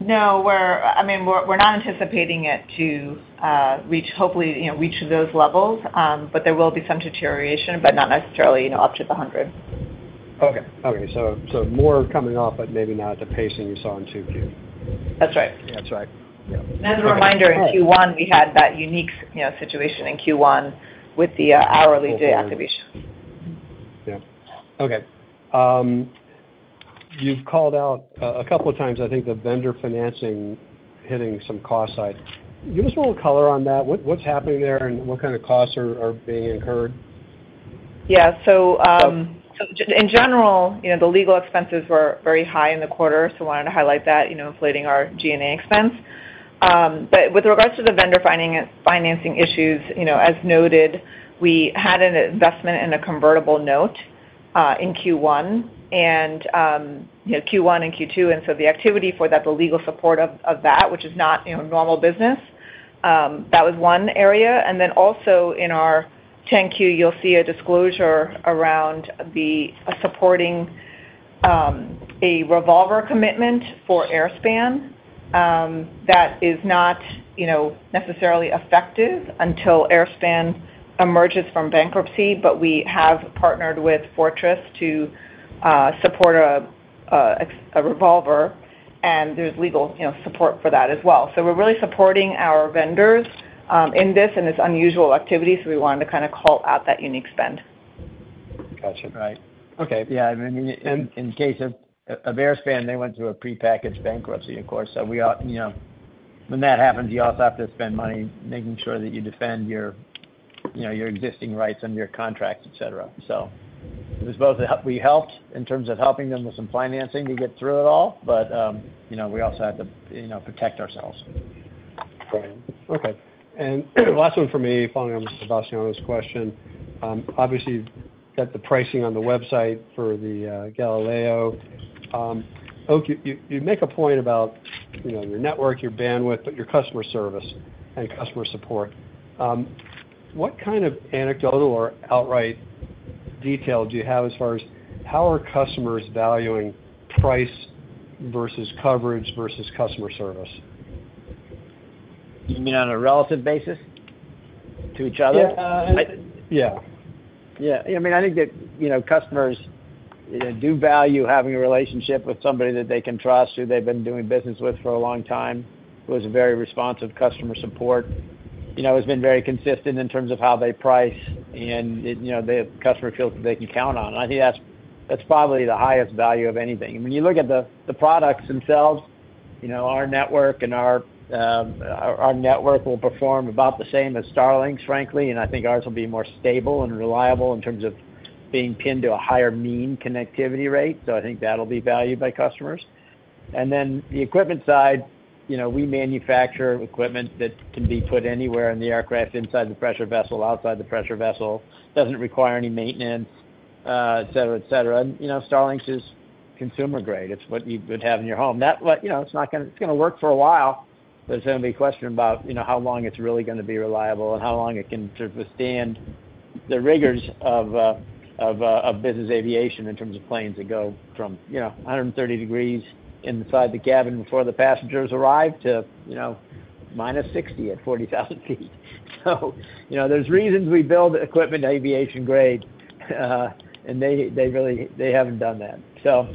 No, we're, I mean, we're, we're not anticipating it to reach, hopefully, you know, reach those levels, but there will be some deterioration, but not necessarily, you know, up to the 100. Okay. Okay, so, so more coming off, but maybe not at the pace that you saw in 2Q. That's right. That's right. Yeah. As a reminder, in Q1, we had that unique, you know, situation in Q1 with the hourly deactivation. Yeah. Okay. You've called out a couple of times, I think, the vendor financing hitting some cost side. Give us a little color on that. What's happening there, and what kind of costs are being incurred? Yeah, so, in general, you know, the legal expenses were very high in the quarter, so wanted to highlight that, you know, inflating our G&A expense. But with regards to the vendor financing issues, you know, as noted, we had an investment in a convertible note, in Q1, and, you know, Q1 and Q2, and so the activity for that, the legal support of that, which is not, you know, normal business, that was one area. And then also in our 10-Q, you'll see a disclosure around supporting a revolver commitment for Airspan, that is not, you know, necessarily effective until Airspan emerges from bankruptcy, but we have partnered with Fortress to support a revolver, and there's legal, you know, support for that as well. So we're really supporting our vendors, in this, and it's unusual activity, so we wanted to kind of call out that unique spend. Gotcha. Right. Okay. Yeah, I mean, in case of Airspan, they went through a prepackaged bankruptcy, of course. So we, you know, when that happens, you also have to spend money making sure that you defend your, you know, your existing rights under your contracts, et cetera. So it was both... We helped in terms of helping them with some financing to get through it all, but, you know, we also had to, you know, protect ourselves. Right. Okay. Last one for me, following on Sebastiano's question. Obviously, you've got the pricing on the website for the Galileo. Oak, you make a point about, you know, your network, your bandwidth, but your customer service and customer support. What kind of anecdotal or outright detail do you have as far as how are customers valuing price versus coverage versus customer service? You mean on a relative basis to each other? Yeah, yeah. Yeah, I mean, I think that, you know, customers, you know, do value having a relationship with somebody that they can trust, who they've been doing business with for a long time, who has a very responsive customer support. You know, who's been very consistent in terms of how they price and, you know, the customer feels they can count on. I think that's, that's probably the highest value of anything. When you look at the, the products themselves, you know, our network and our, our network will perform about the same as Starlink's, frankly, and I think ours will be more stable and reliable in terms of being pinned to a higher mean connectivity rate, so I think that'll be valued by customers. And then the equipment side, you know, we manufacture equipment that can be put anywhere in the aircraft, inside the pressure vessel, outside the pressure vessel, doesn't require any maintenance, et cetera, et cetera. You know, Starlink's is consumer grade. It's what you would have in your home. You know, it's not gonna. It's gonna work for a while, but it's gonna be a question about, you know, how long it's really gonna be reliable and how long it can sort of withstand the rigors of, of, of business aviation in terms of planes that go from, you know, 130 degrees inside the cabin before the passengers arrive to, you know, -60 at 40,000 feet. So, you know, there's reasons we build equipment aviation grade, and they, they really, they haven't done that. So,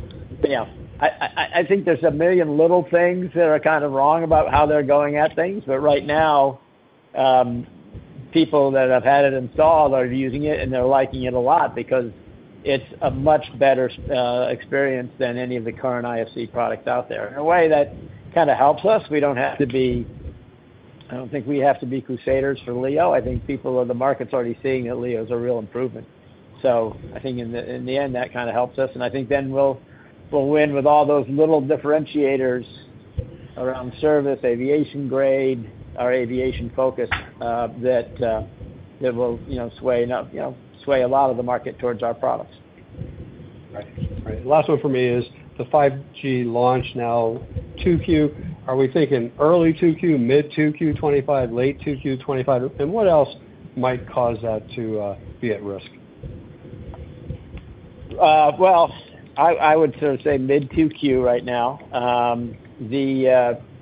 yeah. I think there's a million little things that are kind of wrong about how they're going at things, but right now, people that have had it installed are using it, and they're liking it a lot because it's a much better experience than any of the current IFC products out there. In a way, that kind of helps us. We don't have to be. I don't think we have to be crusaders for LEO. I think people or the market's already seeing that LEO is a real improvement. So I think in the end, that kind of helps us, and I think then we'll win with all those little differentiators around service, aviation grade, or aviation focus, that will, you know, sway a lot of the market towards our products. Right. Right. Last one for me is the 5G launch now, 2Q, are we thinking early 2Q, mid-2Q 25, late 2Q 25? And what else might cause that to be at risk? Well, I would sort of say mid-2Q right now.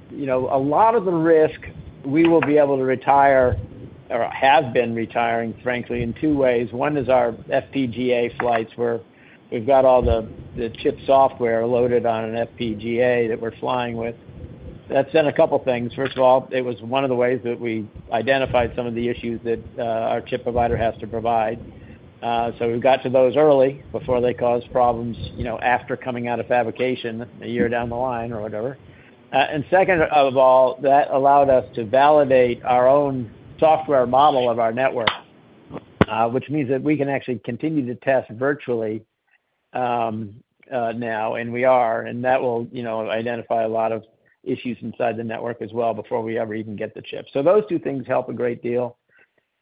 You know, a lot of the risk we will be able to retire or have been retiring, frankly, in two ways. One is our FPGA flights, where we've got all the chip software loaded on an FPGA that we're flying with. That's done a couple things. First of all, it was one of the ways that we identified some of the issues that our chip provider has to provide. So we got to those early before they caused problems, you know, after coming out of fabrication a year down the line or whatever. And second of all, that allowed us to validate our own software model of our network, which means that we can actually continue to test virtually, now, and we are, and that will, you know, identify a lot of issues inside the network as well before we ever even get the chips. So those two things help a great deal.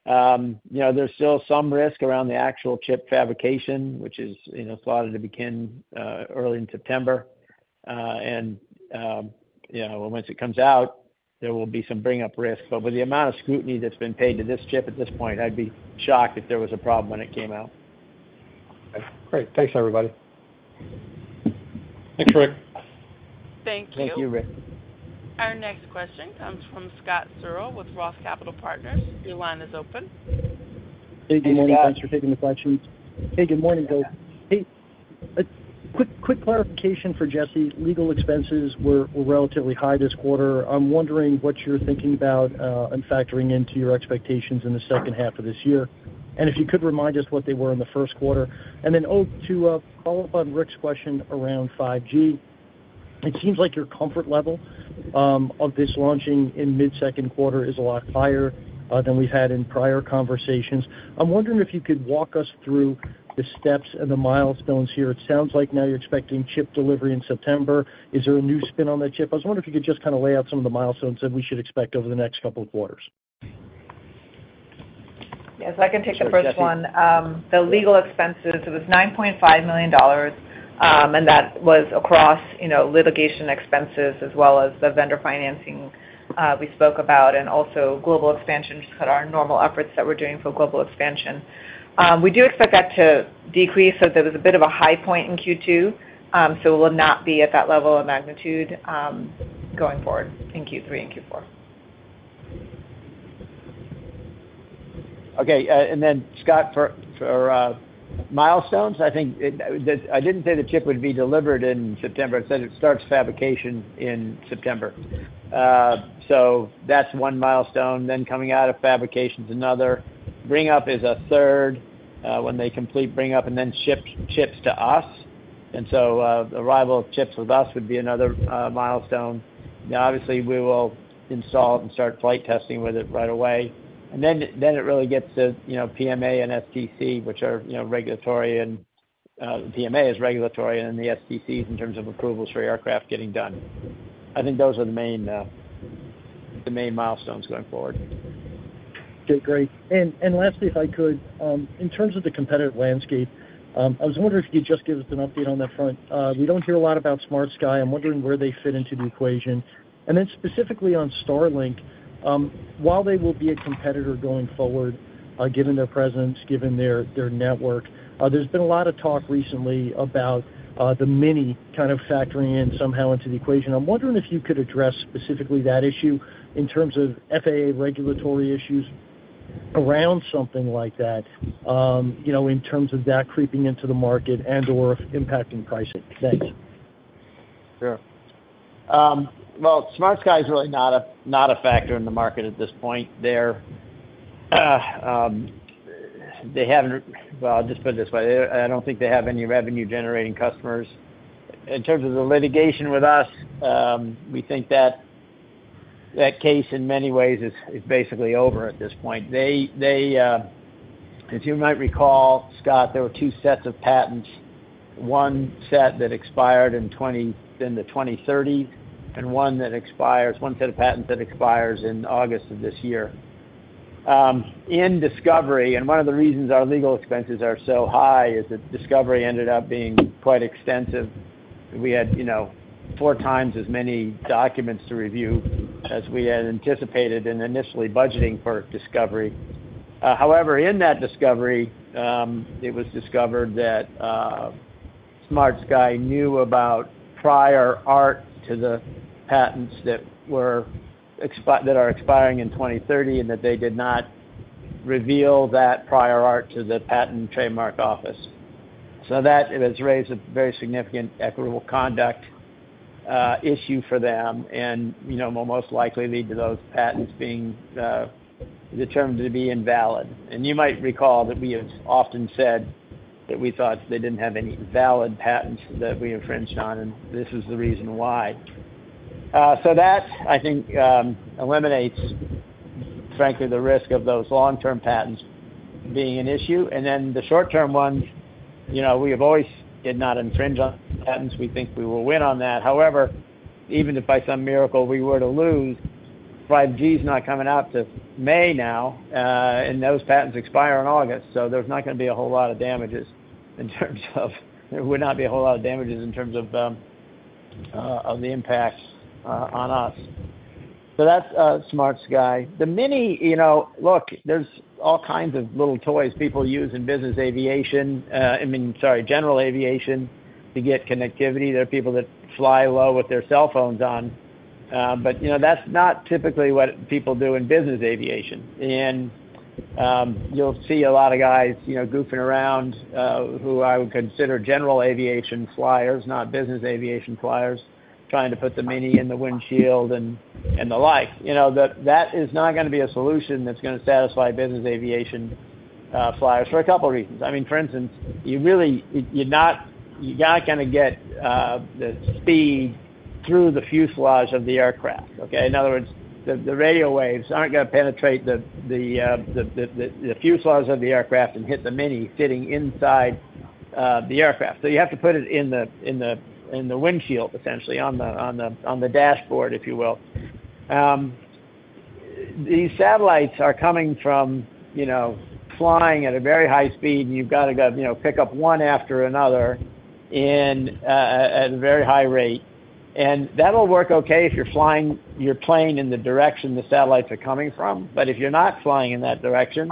You know, there's still some risk around the actual chip fabrication, which is, you know, slotted to begin, early in September. And, you know, once it comes out, there will be some bring up risk. But with the amount of scrutiny that's been paid to this chip at this point, I'd be shocked if there was a problem when it came out. Great. Thanks, everybody. Thanks, Ric. Thank you. Thank you, Ric. Our next question comes from Scott Searle with Roth Capital Partners. Your line is open. Hey, good morning. Hey, Scott. Thanks for taking the questions. Hey, good morning, both. Hey, a quick clarification for Jessi. Legal expenses were relatively high this quarter. I'm wondering what you're thinking about and factoring into your expectations in the second half of this year. And then to follow up on Ric's question around 5G, it seems like your comfort level of this launching in mid-second quarter is a lot higher than we've had in prior conversations. I'm wondering if you could walk us through the steps and the milestones here. It sounds like now you're expecting chip delivery in September. Is there a new spin on that chip? I was wondering if you could just kind of lay out some of the milestones that we should expect over the next couple of quarters. Yes, I can take the first one. Sure, Jesse. The legal expenses, it was $9.5 million, and that was across, you know, litigation expenses as well as the vendor financing we spoke about, and also global expansion, just our normal efforts that we're doing for global expansion. We do expect that to decrease, so there was a bit of a high point in Q2, so it will not be at that level of magnitude going forward in Q3 and Q4. Okay, and then, Scott, for milestones, I think I didn't say the chip would be delivered in September. I said it starts fabrication in September. So that's one milestone, then coming out of fabrication's another. Bring up is a third, when they complete bring up and then ship chips to us. And so, arrival of chips with us would be another milestone. Now, obviously, we will install it and start flight testing with it right away. And then, then it really gets to, you know, PMA and STC, which are, you know, regulatory and, PMA is regulatory, and the STCs in terms of approvals for aircraft getting done. I think those are the main, the main milestones going forward. Okay, great. And lastly, if I could, in terms of the competitive landscape, I was wondering if you could just give us an update on that front. We don't hear a lot about SmartSky. I'm wondering where they fit into the equation. And then specifically on Starlink, while they will be a competitor going forward, given their presence, given their network, there's been a lot of talk recently about the Mini kind of factoring in somehow into the equation. I'm wondering if you could address specifically that issue in terms of FAA regulatory issues around something like that, you know, in terms of that creeping into the market and/or impacting pricing. Thanks. Sure. Well, SmartSky is really not a, not a factor in the market at this point. They're, they haven't. Well, I'll just put it this way. I don't think they have any revenue-generating customers. In terms of the litigation with us, we think that. That case, in many ways, is basically over at this point. They, as you might recall, Scott, there were two sets of patents, one set that expired in the 2030s, and one that expires, one set of patents that expires in August of this year. In discovery, and one of the reasons our legal expenses are so high is that discovery ended up being quite extensive. We had, you know, four times as many documents to review as we had anticipated in initially budgeting for discovery. However, in that discovery, it was discovered that SmartSky knew about prior art to the patents that are expiring in 2030, and that they did not reveal that prior art to the Patent and Trademark Office. So that it has raised a very significant equitable conduct issue for them, and, you know, will most likely lead to those patents being determined to be invalid. And you might recall that we have often said that we thought they didn't have any valid patents that we infringed on, and this is the reason why. So that, I think, eliminates, frankly, the risk of those long-term patents being an issue. And then the short-term ones, you know, we have always did not infringe on patents. We think we will win on that. However, even if by some miracle we were to lose, 5G is not coming out till May now, and those patents expire in August, so there's not gonna be a whole lot of damages in terms of the impact on us. So that's SmartSky. The Mini, you know... Look, there's all kinds of little toys people use in business aviation, I mean, sorry, general aviation, to get connectivity. There are people that fly low with their cell phones on, but, you know, that's not typically what people do in business aviation. And you'll see a lot of guys, you know, goofing around, who I would consider general aviation flyers, not business aviation flyers, trying to put the Mini in the windshield and the like. You know, that is not gonna be a solution that's gonna satisfy business aviation flyers for a couple reasons. I mean, for instance, you're not gonna get the speed through the fuselage of the aircraft, okay? In other words, the radio waves aren't gonna penetrate the fuselage of the aircraft and hit the Mini sitting inside the aircraft. So you have to put it in the windshield, essentially, on the dashboard, if you will. These satellites are coming from, you know, flying at a very high speed, and you've got to go, you know, pick up one after another in at a very high rate. That'll work okay if you're flying your plane in the direction the satellites are coming from, but if you're not flying in that direction,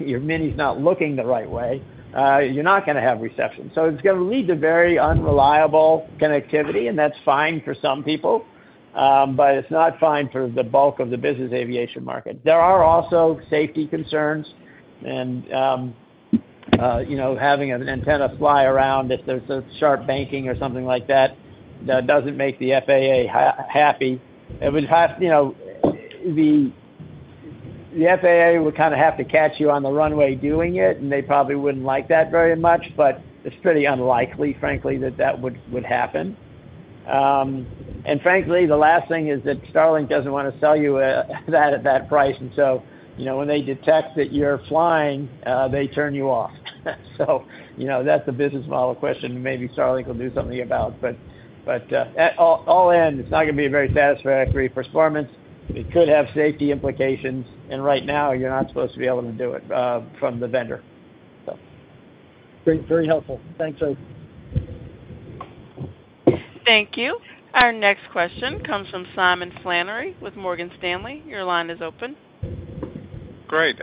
your Mini's not looking the right way, you're not gonna have reception. So it's gonna lead to very unreliable connectivity, and that's fine for some people, but it's not fine for the bulk of the business aviation market. There are also safety concerns, and you know, having an antenna fly around if there's a sharp banking or something like that, that doesn't make the FAA happy. It would have, you know, the FAA would kind of have to catch you on the runway doing it, and they probably wouldn't like that very much, but it's pretty unlikely, frankly, that that would happen. And frankly, the last thing is that Starlink doesn't want to sell you that at that price, and so, you know, when they detect that you're flying, they turn you off. So, you know, that's a business model question, maybe Starlink will do something about. But all in all, it's not gonna be a very satisfactory performance. It could have safety implications, and right now, you're not supposed to be able to do it from the vendor, so. Very, very helpful. Thanks, Dave. Thank you. Our next question comes from Simon Flannery with Morgan Stanley. Your line is open. Great.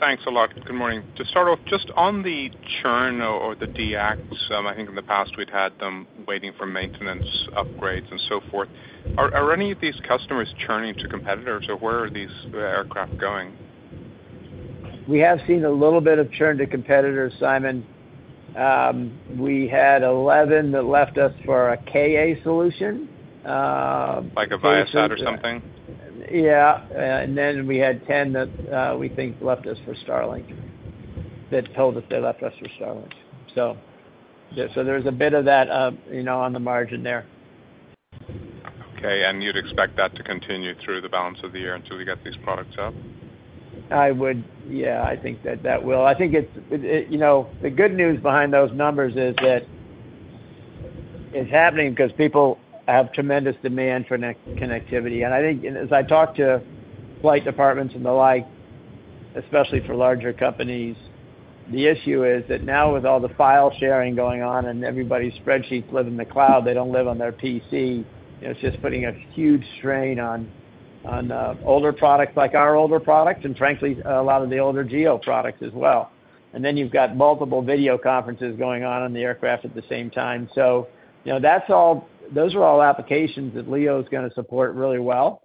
Thanks a lot. Good morning. To start off, just on the churn or the de-acts, I think in the past we'd had them waiting for maintenance, upgrades, and so forth. Are any of these customers churning to competitors, or where are these aircraft going? We have seen a little bit of churn to competitors, Simon. We had 11 that left us for a Ka solution, Like a Viasat or something? Yeah, and then we had 10 that we think left us for Starlink. They've told us they left us for Starlink. So, yeah, so there's a bit of that, you know, on the margin there. Okay, and you'd expect that to continue through the balance of the year until we get these products out? Yeah, I think that will. I think it's, you know, the good news behind those numbers is that it's happening because people have tremendous demand for in-flight connectivity. And I think, as I talk to flight departments and the like, especially for larger companies, the issue is that now with all the file sharing going on and everybody's spreadsheets live in the cloud, they don't live on their PC, it's just putting a huge strain on older products, like our older product, and frankly, a lot of the older GEO products as well. And then you've got multiple video conferences going on on the aircraft at the same time. So, you know, that's all, those are all applications that LEO's gonna support really well.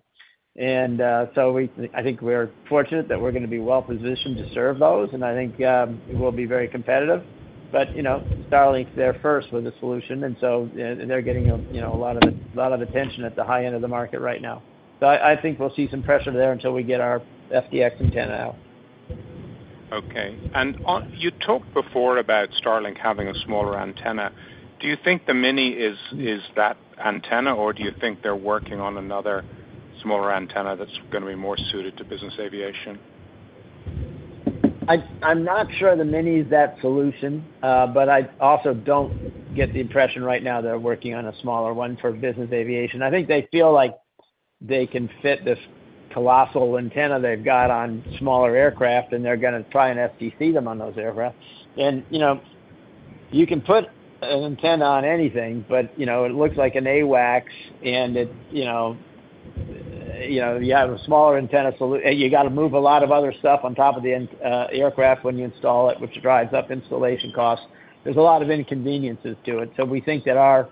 So we, I think we're fortunate that we're gonna be well-positioned to serve those, and I think it will be very competitive. But, you know, Starlink's there first with a solution, and so they're getting a, you know, a lot of, a lot of attention at the high end of the market right now. So I think we'll see some pressure there until we get our FDX antenna out.... Okay. And on, you talked before about Starlink having a smaller antenna. Do you think the Mini is, is that antenna, or do you think they're working on another smaller antenna that's gonna be more suited to business aviation? I'm not sure the Mini is that solution, but I also don't get the impression right now they're working on a smaller one for business aviation. I think they feel like they can fit this colossal antenna they've got on smaller aircraft, and they're gonna try and STC them on those aircraft. And, you know, you can put an antenna on anything, but, you know, it looks like an AWACS, and it, you know, you know, you have a smaller antenna solution. You gotta move a lot of other stuff on top of the aircraft when you install it, which drives up installation costs. There's a lot of inconveniences to it. So we think that our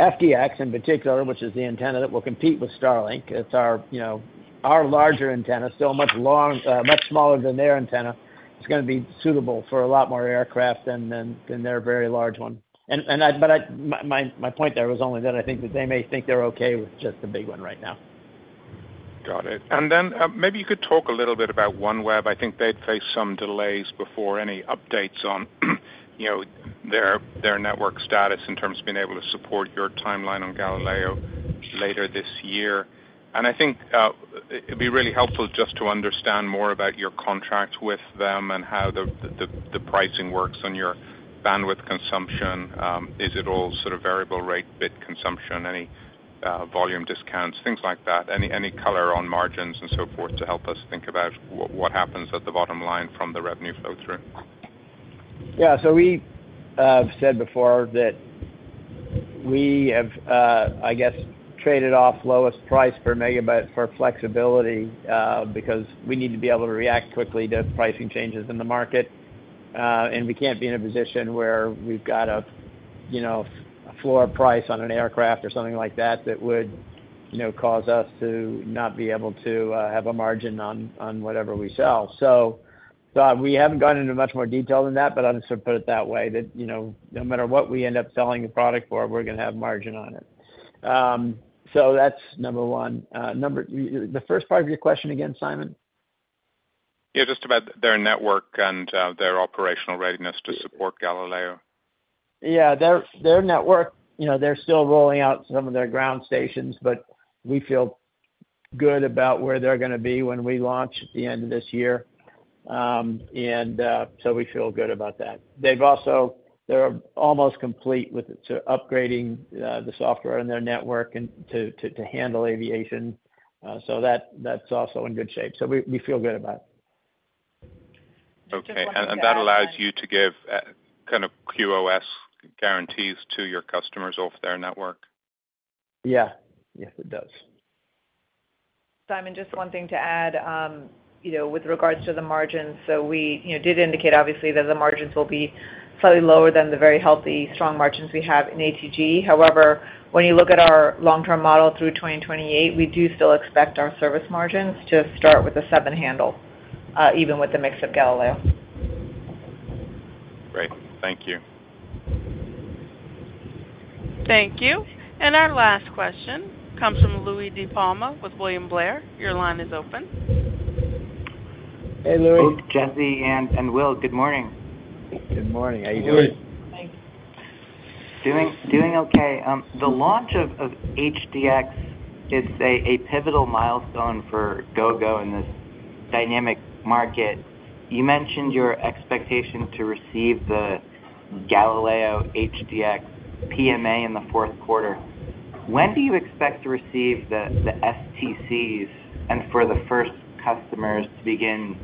FDX, in particular, which is the antenna that will compete with Starlink, it's our, you know, our larger antenna, still much smaller than their antenna. It's gonna be suitable for a lot more aircraft than their very large one. But my point there was only that I think that they may think they're okay with just the big one right now. Got it. And then, maybe you could talk a little bit about OneWeb. I think they'd faced some delays before. Any updates on, you know, their, their network status, in terms of being able to support your timeline on Galileo later this year? And I think, it'd be really helpful just to understand more about your contract with them and how the, the, the pricing works on your bandwidth consumption. Is it all sort of variable rate bit consumption? Any volume discounts, things like that. Any color on margins and so forth, to help us think about what, what happens at the bottom line from the revenue flow through? Yeah, so we said before that we have, I guess, traded off lowest price per megabyte for flexibility, because we need to be able to react quickly to pricing changes in the market. And we can't be in a position where we've got a, you know, floor price on an aircraft or something like that, that would, you know, cause us to not be able to have a margin on, on whatever we sell. So, we haven't gone into much more detail than that, but I'll just put it that way, that, you know, no matter what we end up selling the product for, we're gonna have margin on it. So that's number one. Number... the first part of your question again, Simon? Yeah, just about their network and their operational readiness to support Galileo. Yeah. Their network, you know, they're still rolling out some of their ground stations, but we feel good about where they're gonna be when we launch at the end of this year. So we feel good about that. They've also. They're almost complete with upgrading the software in their network to handle aviation, so that's also in good shape. So we feel good about it. Okay. Just one- That allows you to give kind of QoS guarantees to your customers over their network? Yeah. Yes, it does. Simon, just one thing to add, you know, with regards to the margins. So we, you know, did indicate obviously, that the margins will be slightly lower than the very healthy, strong margins we have in ATG. However, when you look at our long-term model through 2028, we do still expect our service margins to start with a seven handle, even with the mix of Galileo. Great. Thank you. Thank you. Our last question comes from Louie DiPalma with William Blair. Your line is open. Hey, Louie. Both Jessi and Will, good morning. Good morning. How you doing? Louie. Hi. Doing okay. The launch of HDX is a pivotal milestone for Gogo in this dynamic market. You mentioned your expectation to receive the Galileo HDX PMA in the fourth quarter. When do you expect to receive the STCs, and for the first customers to begin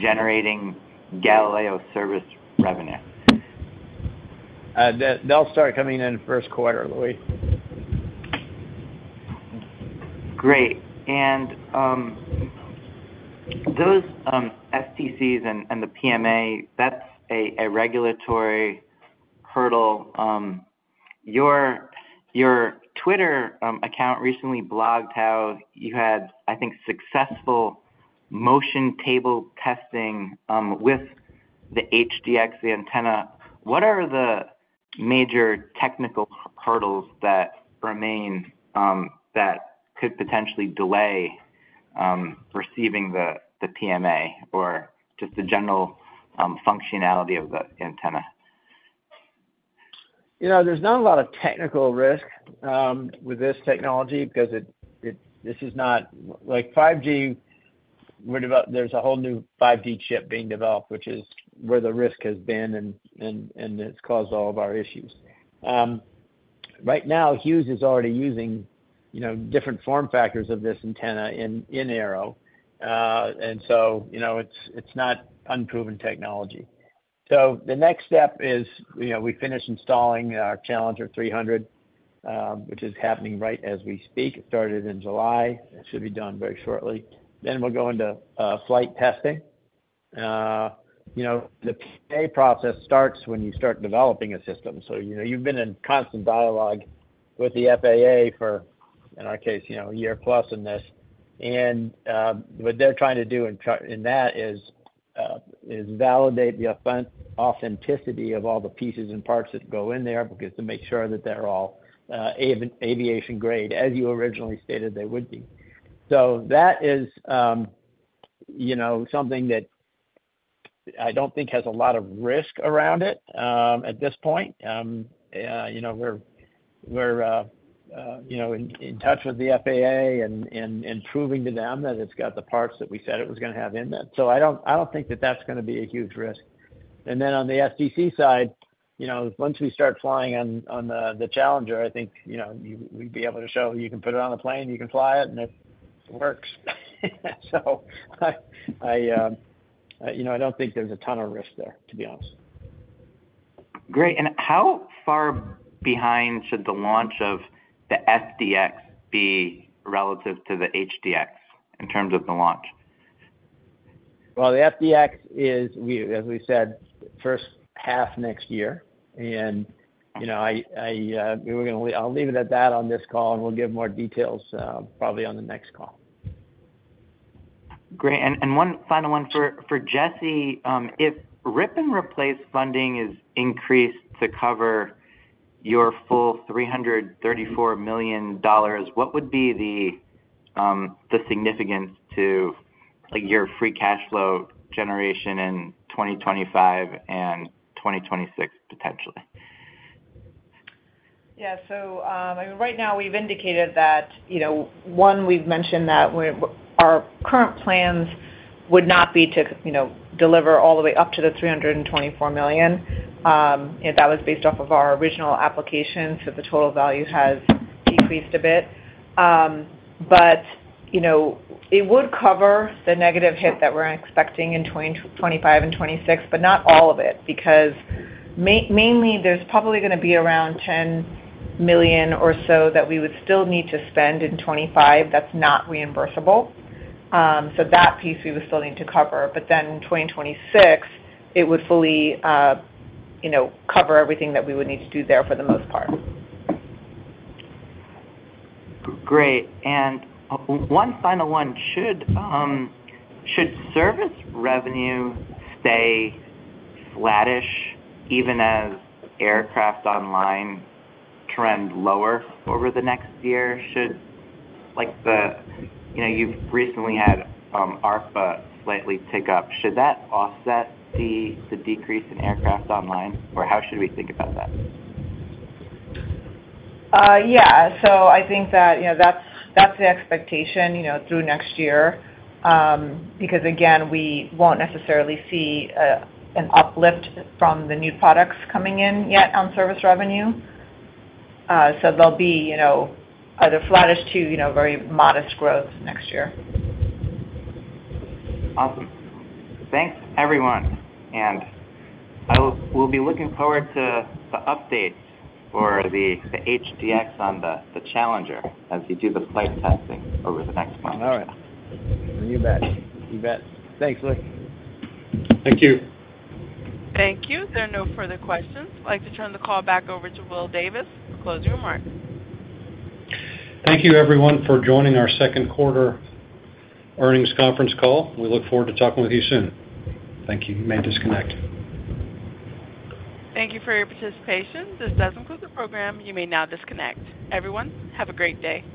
generating Galileo service revenue? They'll start coming in first quarter, Louie. Great. And, those STCs and the PMA, that's a regulatory hurdle. Your Twitter account recently blogged how you had, I think, successful motion table testing with the HDX, the antenna. What are the major technical hurdles that remain that could potentially delay receiving the PMA or just the general functionality of the antenna? You know, there's not a lot of technical risk with this technology, because this is not—like, 5G, where there's a whole new 5G chip being developed, which is where the risk has been, and it's caused all of our issues. Right now, Hughes is already using, you know, different form factors of this antenna in aero. And so, you know, it's not unproven technology. So the next step is, you know, we finish installing our Challenger 300, which is happening right as we speak. It started in July. It should be done very shortly. Then we'll go into flight testing. You know, the PMA process starts when you start developing a system. So, you know, you've been in constant dialogue with the FAA for, in our case, you know, a year plus in this. What they're trying to do in that is validate the authenticity of all the pieces and parts that go in there, because to make sure that they're all aviation grade, as you originally stated they would be. So that is, you know, something that I don't think has a lot of risk around it, at this point. You know, we're in touch with the FAA and proving to them that it's got the parts that we said it was gonna have in it. So I don't think that's gonna be a huge risk. And then on the FDX side, you know, once we start flying on the Challenger, I think, you know, we'd be able to show you can put it on a plane, you can fly it, and it works. So I, I, you know, I don't think there's a ton of risk there, to be honest. Great. And how far behind should the launch of the FDX be relative to the HDX in terms of the launch? Well, the FDX is. We, as we said, first half next year. And, you know, I, we were gonna leave. I'll leave it at that on this call, and we'll give more details, probably on the next call. Great. And one final one for Jessi. If rip and replace funding is increased to cover your full $334 million, what would be the significance to, like, your free cash flow generation in 2025 and 2026, potentially? Yeah. So, I mean, right now, we've indicated that, you know, one, we've mentioned that we're our current plans would not be to, you know, deliver all the way up to the $324 million. And that was based off of our original application, so the total value has decreased a bit. But, you know, it would cover the negative hit that we're expecting in 2025 and 2026, but not all of it, because mainly, there's probably gonna be around $10 million or so that we would still need to spend in 2025 that's not reimbursable. So that piece we would still need to cover. But then in 2026, it would fully, you know, cover everything that we would need to do there for the most part. Great. And one final one: Should service revenue stay flattish, even as aircraft online trend lower over the next year? Should, like, the... You know, you've recently had ARPU slightly tick up. Should that offset the decrease in aircraft online, or how should we think about that? Yeah. So I think that, you know, that's, that's the expectation, you know, through next year. Because again, we won't necessarily see an uplift from the new products coming in yet on service revenue. So there'll be, you know, either flattish to, you know, very modest growth next year. Awesome. Thanks, everyone, and I will, we'll be looking forward to the updates for the HDX on the Challenger as you do the flight testing over the next month. All right. You bet. You bet. Thanks, Luke. Thank you. Thank you. There are no further questions. I'd like to turn the call back over to Will Davis for closing remarks. Thank you, everyone, for joining our second quarter earnings conference call. We look forward to talking with you soon. Thank you. You may disconnect. Thank you for your participation. This does conclude the program. You may now disconnect. Everyone, have a great day.